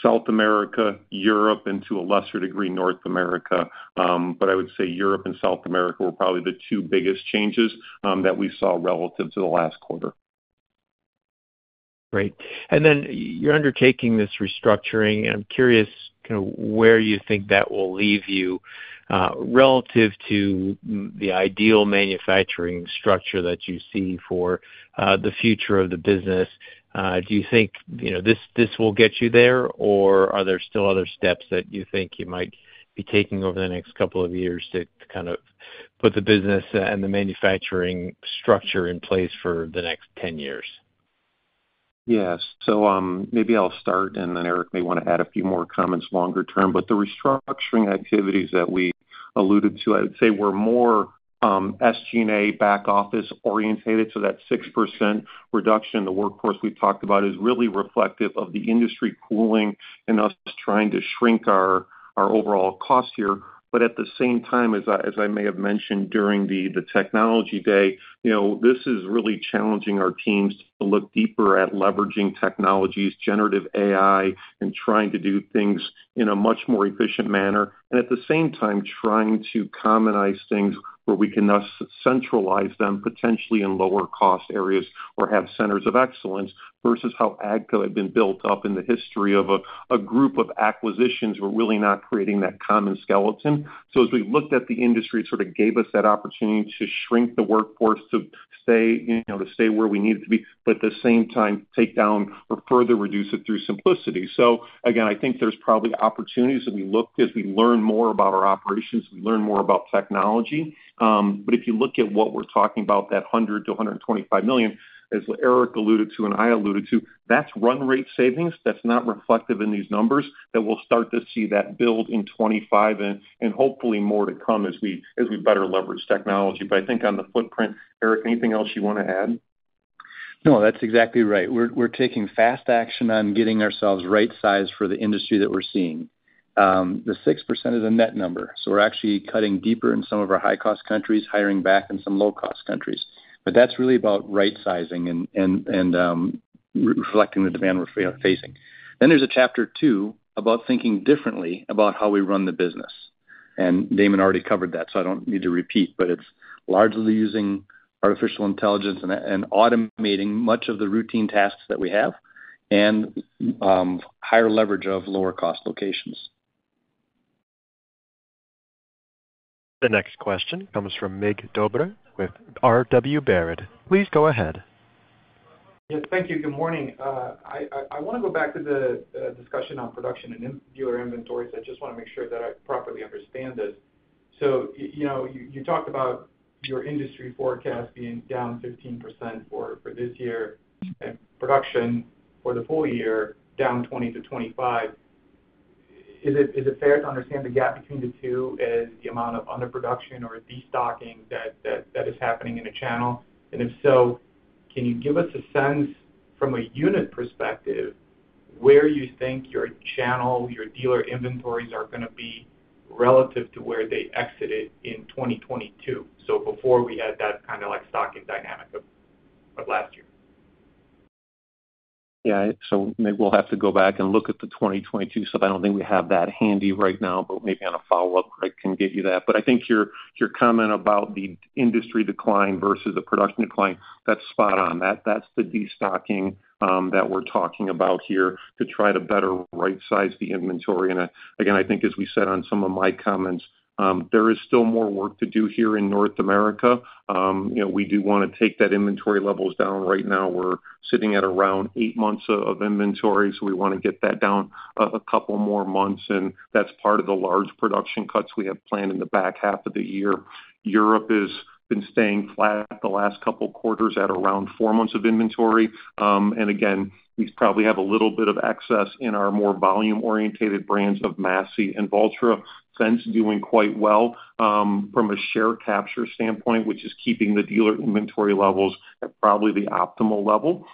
South America, Europe, and to a lesser degree, North America. But I would say Europe and South America were probably the two biggest changes that we saw relative to the last quarter. Great. And then you're undertaking this restructuring. I'm curious where you think that will leave you relative to the ideal manufacturing structure that you see for the future of the business. Do you think this will get you there, or are there still other steps that you think you might be taking over the next couple of years to kind of put the business and the manufacturing structure in place for the next 10 years? Yeah. So maybe I'll start, and then Eric may want to add a few more comments longer term. But the restructuring activities that we alluded to, I would say we're more SG&A back office oriented. So that 6% reduction in the workforce we've talked about is really reflective of the industry cooling and us trying to shrink our overall cost here. But at the same time, as I may have mentioned during the technology day, this is really challenging our teams to look deeper at leveraging technologies, generative AI, and trying to do things in a much more efficient manner. And at the same time, trying to commonize things where we can centralize them potentially in lower-cost areas or have centers of excellence versus how AGCO had been built up in the history of a group of acquisitions were really not creating that common skeleton. So as we looked at the industry, it sort of gave us that opportunity to shrink the workforce to stay where we needed to be, but at the same time, take down or further reduce it through simplicity. So again, I think there's probably opportunities that we look at as we learn more about our operations, we learn more about technology. But if you look at what we're talking about, that $100 million-$125 million, as Eric alluded to and I alluded to, that's run rate savings. That's not reflective in these numbers that we'll start to see that build in 2025 and hopefully more to come as we better leverage technology. But I think on the footprint, Eric, anything else you want to add? No, that's exactly right. We're taking fast action on getting ourselves right-sized for the industry that we're seeing. The 6% is a net number. So we're actually cutting deeper in some of our high-cost countries, hiring back in some low-cost countries. But that's really about right-sizing and reflecting the demand we're facing. Then there's a chapter two about thinking differently about how we run the business. And Damon already covered that, so I don't need to repeat. But it's largely using artificial intelligence and automating much of the routine tasks that we have and higher leverage of lower-cost locations. The next question comes from Mig Dobre with Robert W. Baird. Please go ahead. Yes, thank you. Good morning. I want to go back to the discussion on production and dealer inventories. I just want to make sure that I properly understand this. So you talked about your industry forecast being down 15% for this year and production for the full year down 20%-25%. Is it fair to understand the gap between the two as the amount of underproduction or destocking that is happening in a channel? And if so, can you give us a sense from a unit perspective where you think your channel, your dealer inventories are going to be relative to where they exited in 2022? So before we had that kind of stocking dynamic of last year. Yeah. So maybe we'll have to go back and look at the 2022 stuff. I don't think we have that handy right now, but maybe on a follow-up, I can get you that. But I think your comment about the industry decline versus the production decline, that's spot on. That's the destocking that we're talking about here to try to better right-size the inventory. And again, I think, as we said on some of my comments, there is still more work to do here in North America. We do want to take that inventory levels down. Right now, we're sitting at around eight months of inventory. So we want to get that down a couple more months. And that's part of the large production cuts we have planned in the back half of the year. Europe has been staying flat the last couple of quarters at around four months of inventory. And again, we probably have a little bit of excess in our more volume-oriented brands of Massey and Valtra, Fendt doing quite well from a share capture standpoint, which is keeping the dealer inventory levels at probably the optimal level.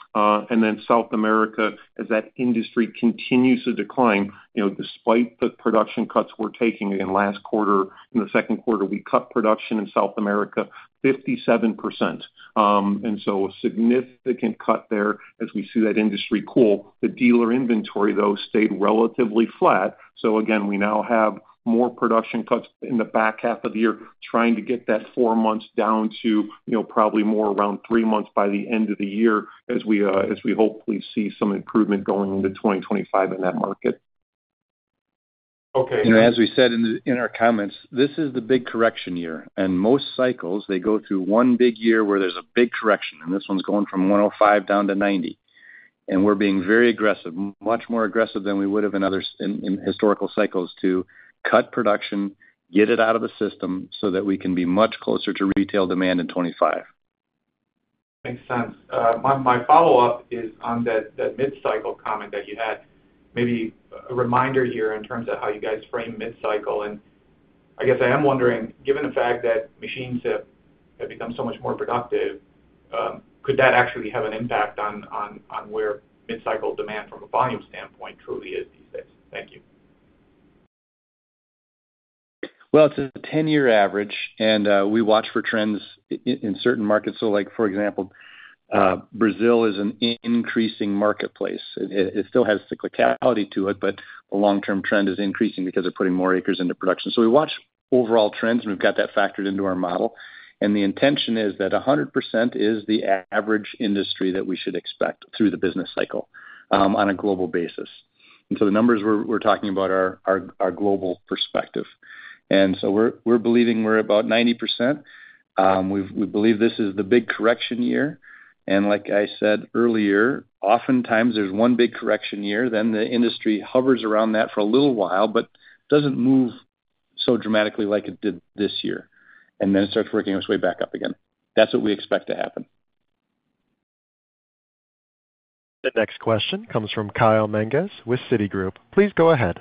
Then South America, as that industry continues to decline despite the production cuts we're taking in last quarter, in the second quarter, we cut production in South America 57%. And so a significant cut there as we see that industry cool. The dealer inventory, though, stayed relatively flat. So again, we now have more production cuts in the back half of the year trying to get that four months down to probably more around three months by the end of the year as we hopefully see some improvement going into 2025 in that market. Okay. As we said in our comments, this is the big correction year. Most cycles, they go through one big year where there's a big correction. This one's going from 105 down to 90.We're being very aggressive, much more aggressive than we would have in historical cycles to cut production, get it out of the system so that we can be much closer to retail demand in 2025. Makes sense. My follow-up is on that mid-cycle comment that you had, maybe a reminder here in terms of how you guys frame mid-cycle. And I guess I am wondering, given the fact that machines have become so much more productive, could that actually have an impact on where mid-cycle demand from a volume standpoint truly is these days? Thank you. Well, it's a 10-year average, and we watch for trends in certain markets. So for example, Brazil is an increasing marketplace. It still has cyclicality to it, but the long-term trend is increasing because they're putting more acres into production. So we watch overall trends, and we've got that factored into our model. The intention is that 100% is the average industry that we should expect through the business cycle on a global basis. So the numbers we're talking about are our global perspective. So we're believing we're about 90%. We believe this is the big correction year. Like I said earlier, oftentimes there's one big correction year, then the industry hovers around that for a little while, but doesn't move so dramatically like it did this year. It starts working its way back up again. That's what we expect to happen. The next question comes from Kyle Menges with Citigroup. Please go ahead.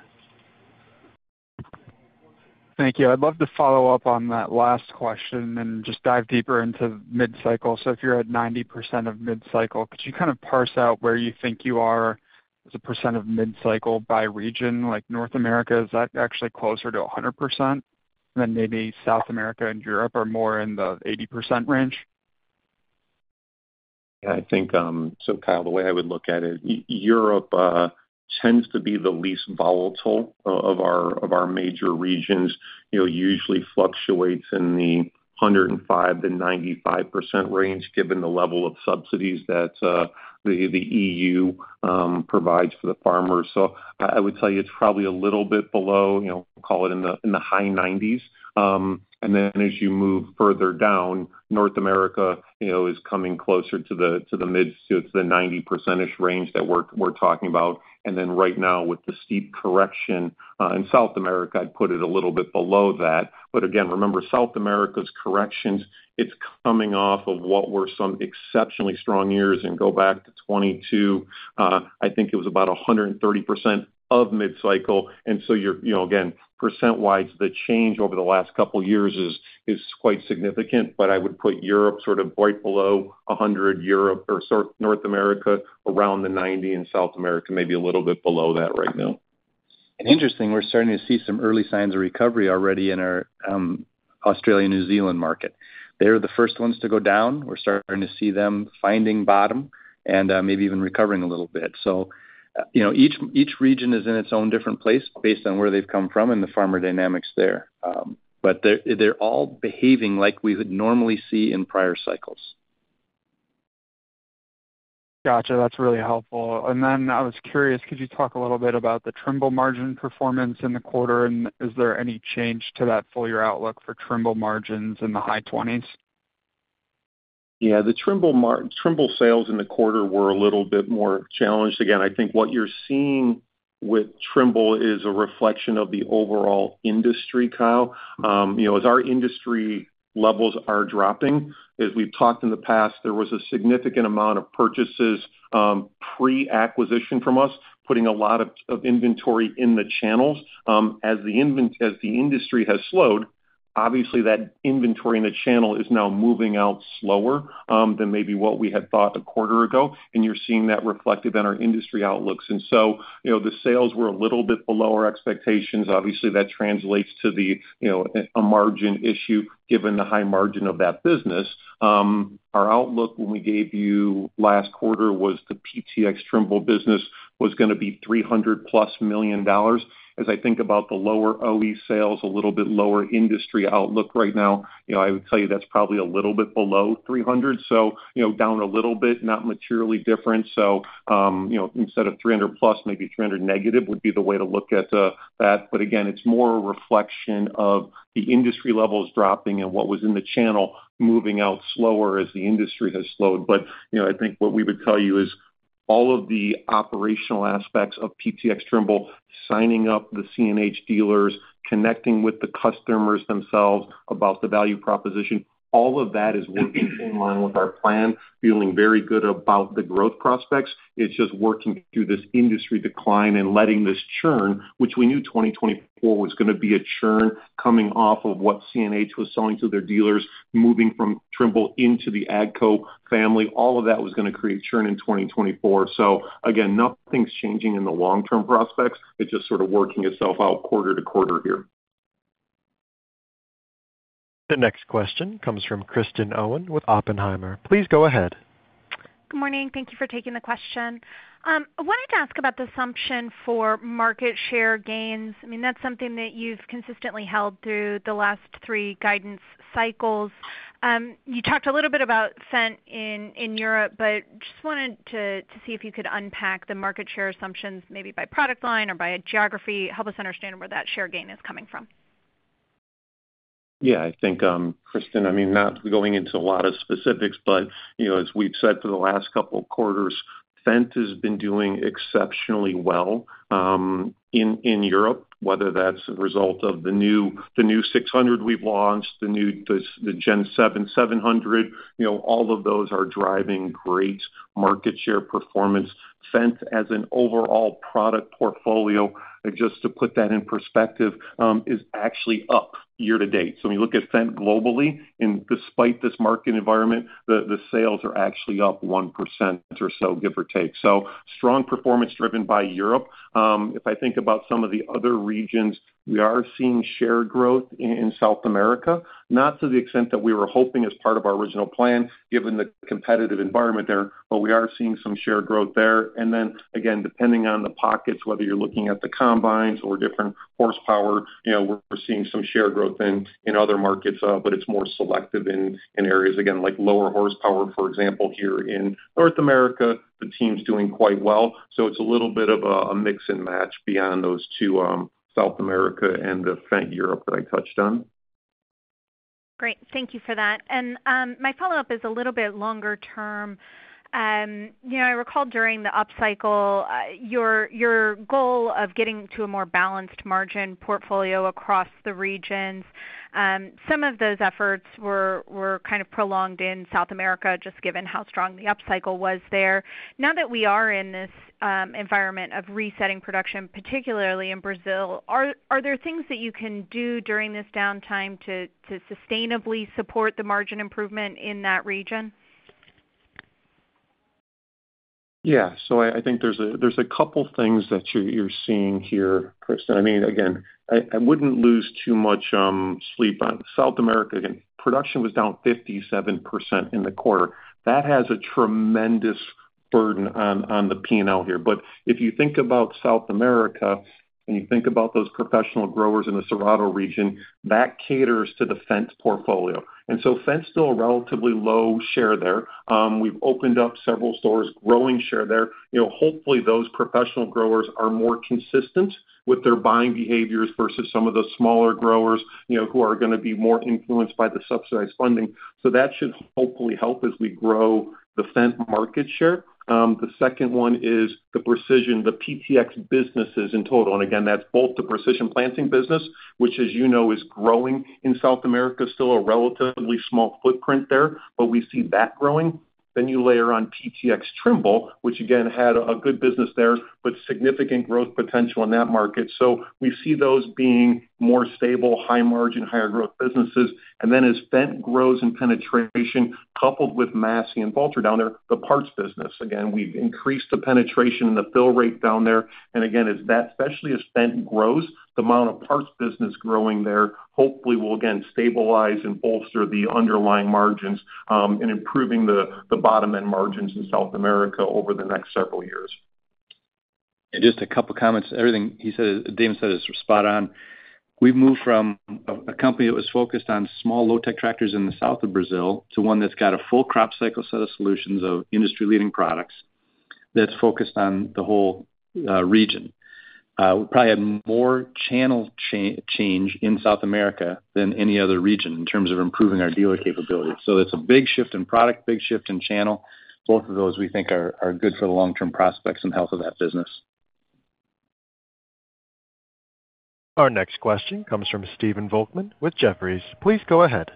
Thank you. I'd love to follow up on that last question and just dive deeper into mid-cycle. So if you're at 90% of mid-cycle, could you kind of parse out where you think you are as a percent of mid-cycle by region? Like North America, is that actually closer to 100%? And then maybe South America and Europe are more in the 80% range? Yeah. I think so, Kyle, the way I would look at it, Europe tends to be the least volatile of our major regions, usually fluctuates in the 105%-95% range given the level of subsidies that the EU provides for the farmers. So I would tell you it's probably a little bit below, call it in the high 90s. And then as you move further down, North America is coming closer to the mid- to the 90% range that we're talking about. And then right now, with the steep correction in South America, I'd put it a little bit below that. But again, remember, South America's corrections, it's coming off of what were some exceptionally strong years and go back to 2022, I think it was about 130% of mid-cycle. And so again, percent-wise, the change over the last couple of years is quite significant. But I would put Europe sort of right below 100, Europe or North America around the 90, and South America maybe a little bit below that right now. And interesting, we're starting to see some early signs of recovery already in our Australia and New Zealand market. They're the first ones to go down. We're starting to see them finding bottom and maybe even recovering a little bit. So each region is in its own different place based on where they've come from and the farmer dynamics there. But they're all behaving like we would normally see in prior cycles. Gotcha. That's really helpful. And then I was curious: could you talk a little bit about the Trimble margin performance in the quarter? And is there any change to that full-year outlook for Trimble margins in the high 20s%? Yeah. The Trimble sales in the quarter were a little bit more challenged. Again, I think what you're seeing with Trimble is a reflection of the overall industry, Kyle. As our industry levels are dropping, as we've talked in the past, there was a significant amount of purchases pre-acquisition from us, putting a lot of inventory in the channels. As the industry has slowed, obviously, that inventory in the channel is now moving out slower than maybe what we had thought a quarter ago. And you're seeing that reflected in our industry outlooks. And so the sales were a little bit below our expectations. Obviously, that translates to a margin issue given the high margin of that business. Our outlook when we gave you last quarter was the PTx Trimble business was going to be $300 million plus. As I think about the lower OE sales, a little bit lower industry outlook right now, I would tell you that's probably a little bit below $300 million. So down a little bit, not materially different. So instead of $300 million plus, maybe $300 million negative would be the way to look at that. But again, it's more a reflection of the industry levels dropping and what was in the channel moving out slower as the industry has slowed. But I think what we would tell you is all of the operational aspects of PTx Trimble, signing up the CNH dealers, connecting with the customers themselves about the value proposition, all of that is working in line with our plan, feeling very good about the growth prospects. It's just working through this industry decline and letting this churn, which we knew 2024 was going to be a churn coming off of what CNH was selling to their dealers, moving from Trimble into the AGCO family. All of that was going to create churn in 2024. So again, nothing's changing in the long-term prospects. It's just sort of working itself out quarter to quarter here. The next question comes from Kristen Owen with Oppenheimer. Please go ahead. Good morning. Thank you for taking the question. I wanted to ask about the assumption for market share gains.I mean, that's something that you've consistently held through the last three guidance cycles. You talked a little bit about Fendt in Europe, but just wanted to see if you could unpack the market share assumptions maybe by product line or by geography. Help us understand where that share gain is coming from. Yeah. I think, Kristen, I mean, not going into a lot of specifics, but as we've said for the last couple of quarters, Fendt has been doing exceptionally well in Europe, whether that's a result of the new 600 we've launched, the Gen7 700. All of those are driving great market share performance. Fendt as an overall product portfolio, just to put that in perspective, is actually up year to date. So when you look at Fendt globally, and despite this market environment, the sales are actually up 1% or so, give or take. So strong performance driven by Europe. If I think about some of the other regions, we are seeing share growth in South America, not to the extent that we were hoping as part of our original plan, given the competitive environment there, but we are seeing some share growth there. And then again, depending on the pockets, whether you're looking at the combines or different horsepower, we're seeing some share growth in other markets, but it's more selective in areas, again, like lower horsepower, for example, here in North America.The team's doing quite well. So it's a little bit of a mix and match beyond those two, South America and the Fendt Europe that I touched on. Great. Thank you for that. My follow-up is a little bit longer term.I recall during the upcycle, your goal of getting to a more balanced margin portfolio across the regions, some of those efforts were kind of prolonged in South America, just given how strong the upcycle was there. Now that we are in this environment of resetting production, particularly in Brazil, are there things that you can do during this downtime to sustainably support the margin improvement in that region? Yeah. So I think there's a couple of things that you're seeing here, Kristen. I mean, again, I wouldn't lose too much sleep on South America. Again, production was down 57% in the quarter. That has a tremendous burden on the P&L here. But if you think about South America and you think about those professional growers in the Cerrado region, that caters to the Fendt portfolio. And so Fendt's still a relatively low share there. We've opened up several stores growing share there. Hopefully, those professional growers are more consistent with their buying behaviors versus some of the smaller growers who are going to be more influenced by the subsidized funding. So that should hopefully help as we grow the Fendt market share. The second one is the precision, the PTx businesses in total. And again, that's both the Precision Planting business, which, as you know, is growing in South America, still a relatively small footprint there, but we see that growing. Then you layer on PTx Trimble, which again had a good business there, but significant growth potential in that market. So we see those being more stable, high margin, higher growth businesses. And then as Fendt grows in penetration, coupled with Massey and Valtra down there, the parts business, again, we've increased the penetration and the fill rate down there. Again, especially as Fendt grows, the amount of parts business growing there hopefully will again stabilize and bolster the underlying margins and improving the bottom end margins in South America over the next several years. Just a couple of comments. Everything he said, Damon said, is spot on. We've moved from a company that was focused on small low-tech tractors in the south of Brazil to one that's got a full crop cycle set of solutions of industry-leading products that's focused on the whole region. We probably have more channel change in South America than any other region in terms of improving our dealer capability. So it's a big shift in product, big shift in channel. Both of those, we think, are good for the long-term prospects and health of that business. Our next question comes from Stephen Volkmann with Jefferies. Please go ahead.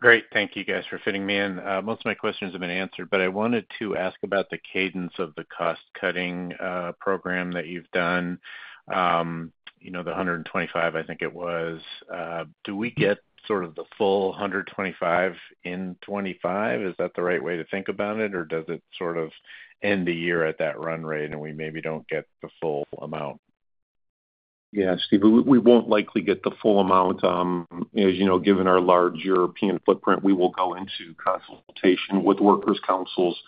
Great.Thank you, guys, for fitting me in. Most of my questions have been answered, but I wanted to ask about the cadence of the cost-cutting program that you've done, the 125, I think it was. Do we get sort of the full 125 in 2025? Is that the right way to think about it? Or does it sort of end the year at that run rate and we maybe don't get the full amount? Yeah, Steve, we won't likely get the full amount. As you know, given our large European footprint, we will go into consultation with workers' councils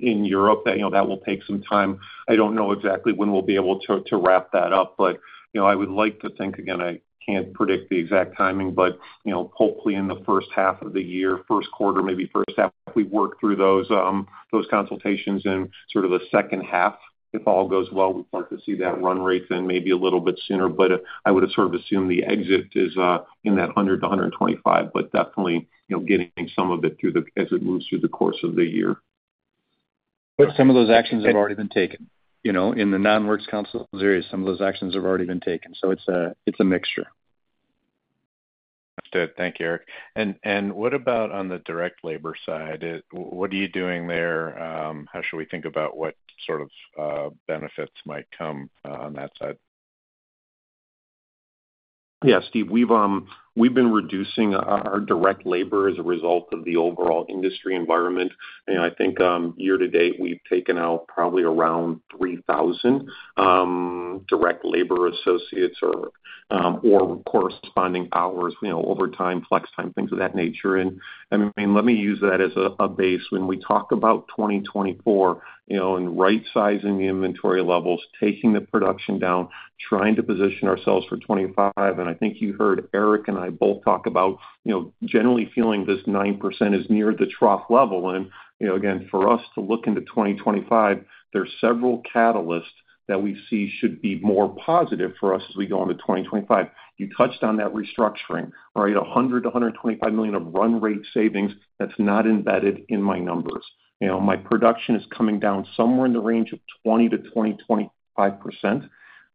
in Europe. That will take some time.I don't know exactly when we'll be able to wrap that up, but I would like to think, again, I can't predict the exact timing, but hopefully in the first half of the year, first quarter, maybe first half, we work through those consultations in sort of the second half. If all goes well, we'd like to see that run rate then maybe a little bit sooner. But I would have sort of assumed the exit is in that $100-$125, but definitely getting some of it through the as it moves through the course of the year. But some of those actions have already been taken. In the non-workers' councils area, some of those actions have already been taken. So it's a mixture. Understood. Thank you, Eric. And what about on the direct labor side? What are you doing there? How should we think about what sort of benefits might come on that side? Yeah, Steve, we've been reducing our direct labor as a result of the overall industry environment. I think year to date, we've taken out probably around 3,000 direct labor associates or corresponding hours, overtime, flex time, things of that nature. I mean, let me use that as a base. When we talk about 2024 and right-sizing the inventory levels, taking the production down, trying to position ourselves for 2025, and I think you heard Eric and I both talk about generally feeling this 9% is near the trough level. And again, for us to look into 2025, there's several catalysts that we see should be more positive for us as we go into 2025. You touched on that restructuring, right? $100 million-$125 million of run rate savings. That's not embedded in my numbers.My production is coming down somewhere in the range of 20%-25%.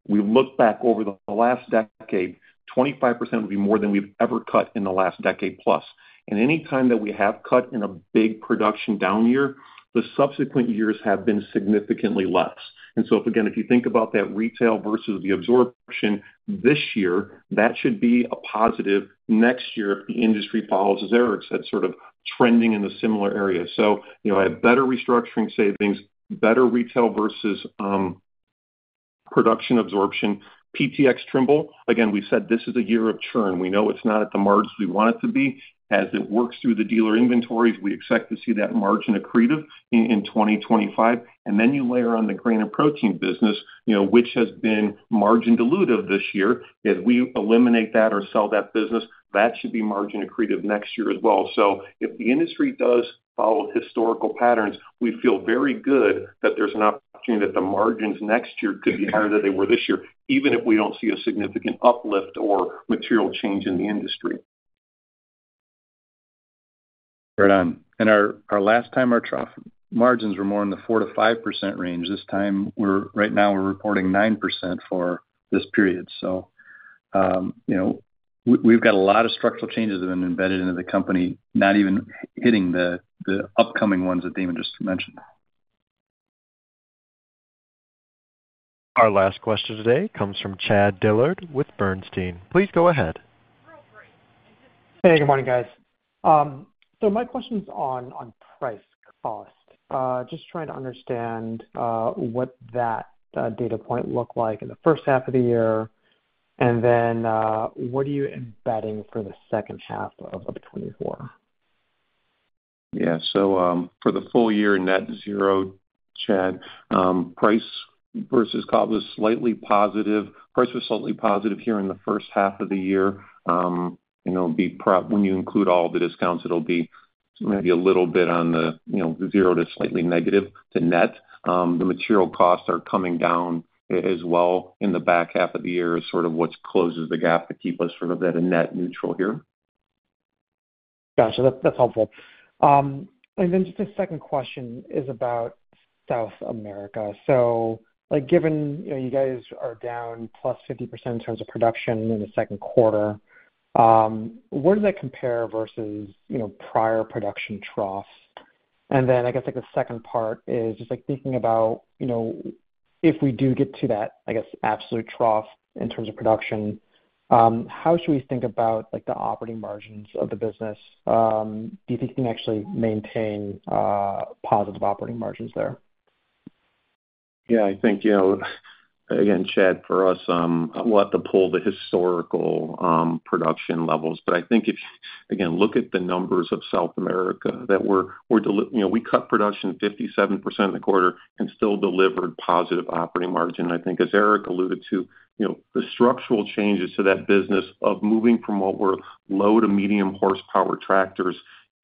We look back over the last decade, 25% would be more than we've ever cut in the last decade plus. Anytime that we have cut in a big production down year, the subsequent years have been significantly less. So again, if you think about that retail versus the absorption this year, that should be a positive next year if the industry follows, as Eric said, sort of trending in a similar area. So I have better restructuring savings, better retail versus production absorption. PTx Trimble, again, we said this is a year of churn. We know it's not at the margins we want it to be. As it works through the dealer inventories, we expect to see that margin accretive in 2025. And then you layer on the Grain & Protein business, which has been margin dilutive this year. As we eliminate that or sell that business, that should be margin accretive next year as well. So if the industry does follow historical patterns, we feel very good that there's an opportunity that the margins next year could be higher than they were this year, even if we don't see a significant uplift or material change in the industry. Right on. And our last time, our trough margins were more in the 4%-5% range. This time, right now, we're reporting 9% for this period. So we've got a lot of structural changes that have been embedded into the company, not even hitting the upcoming ones that Damon just mentioned. Our last question today comes from Chad Dillard with Bernstein. Please go ahead. Hey, good morning, guys.My question's on price cost. Just trying to understand what that data point looked like in the first half of the year, and then what are you embedding for the second half of 2024? Yeah. For the full year net zero, Chad, price versus Cost was slightly positive. Price was slightly positive here in the first half of the year. When you include all the discounts, it'll be maybe a little bit on the zero to slightly negative to net. The material costs are coming down as well in the back half of the year is sort of what closes the gap to keep us sort of at a net neutral here. Gotcha. That's helpful. Then just a second question is about South America.So given you guys are down plus 50% in terms of production in the second quarter, where does that compare versus prior production troughs? And then I guess the second part is just thinking about if we do get to that, I guess, absolute trough in terms of production, how should we think about the operating margins of the business? Do you think you can actually maintain positive operating margins there? Yeah. I think, again, Chad, for us, I want to pull the historical production levels. But I think if you, again, look at the numbers of South America that we cut production 57% in the quarter and still delivered positive operating margin. I think, as Eric alluded to, the structural changes to that business of moving from what were low to medium horsepower tractors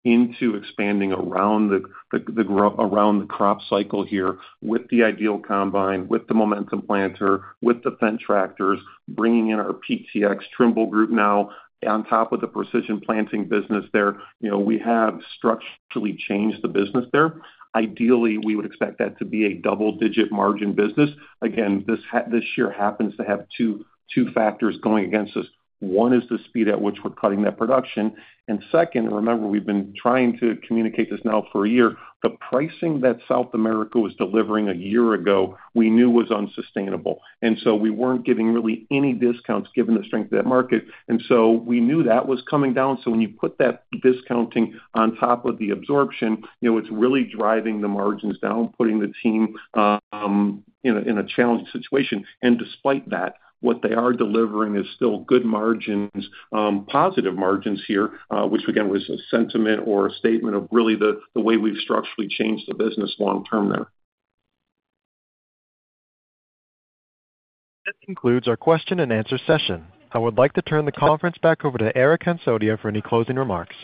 into expanding around the crop cycle here with the IDEAL combine, with the Momentum planter, with the Fendt tractors, bringing in our PTx Trimble group now on top of the Precision Planting business there. We have structurally changed the business there. Ideally, we would expect that to be a double-digit margin business. Again, this year happens to have two factors going against us. One is the speed at which we're cutting that production. And second, remember, we've been trying to communicate this now for a year. The pricing that South America was delivering a year ago, we knew was unsustainable. And so we weren't getting really any discounts given the strength of that market. And so we knew that was coming down. So when you put that discounting on top of the absorption, it's really driving the margins down, putting the team in a challenged situation. And despite that, what they are delivering is still good margins, positive margins here, which, again, was a sentiment or a statement of really the way we've structurally changed the business long-term there. That concludes our question and answer session. I would like to turn the conference back over to Eric Hansotia for any closing remarks.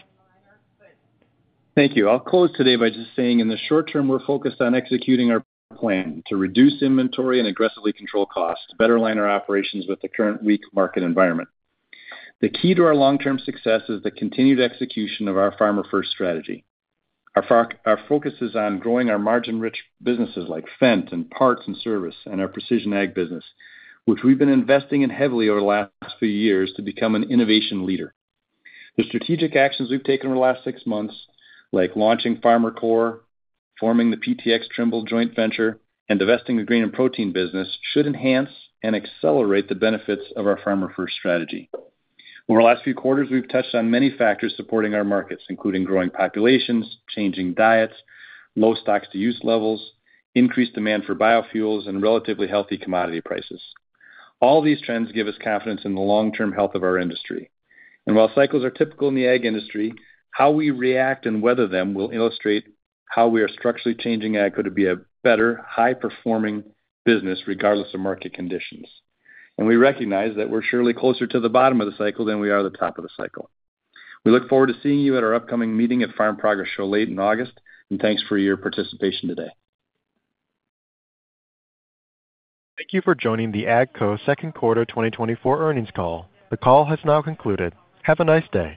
Thank you. I'll close today by just saying in the short term, we're focused on executing our plan to reduce inventory and aggressively control costs, better align our operations with the current weak market environment. The key to our long-term success is the continued execution of our farmer-first strategy. Our focus is on growing our margin-rich businesses like Fendt and parts and service and our precision ag business, which we've been investing in heavily over the last few years to become an innovation leader. The strategic actions we've taken over the last six months, like launching FarmerCore, forming the PTx Trimble joint venture, and divesting the Grain & Protein business, should enhance and accelerate the benefits of our farmer-first strategy. Over the last few quarters, we've touched on many factors supporting our markets, including growing populations, changing diets, low stocks-to-use levels, increased demand for biofuels, and relatively healthy commodity prices. All these trends give us confidence in the long-term health of our industry. And while cycles are typical in the ag industry, how we react and weather them will illustrate how we are structurally changing ag to be a better, high-performing business regardless of market conditions. We recognize that we're surely closer to the bottom of the cycle than we are the top of the cycle. We look forward to seeing you at our upcoming meeting at Farm Progress Show late in August. Thanks for your participation today. Thank you for joining the AGCO Second Quarter 2024 Earnings Call. The call has now concluded. Have a nice day.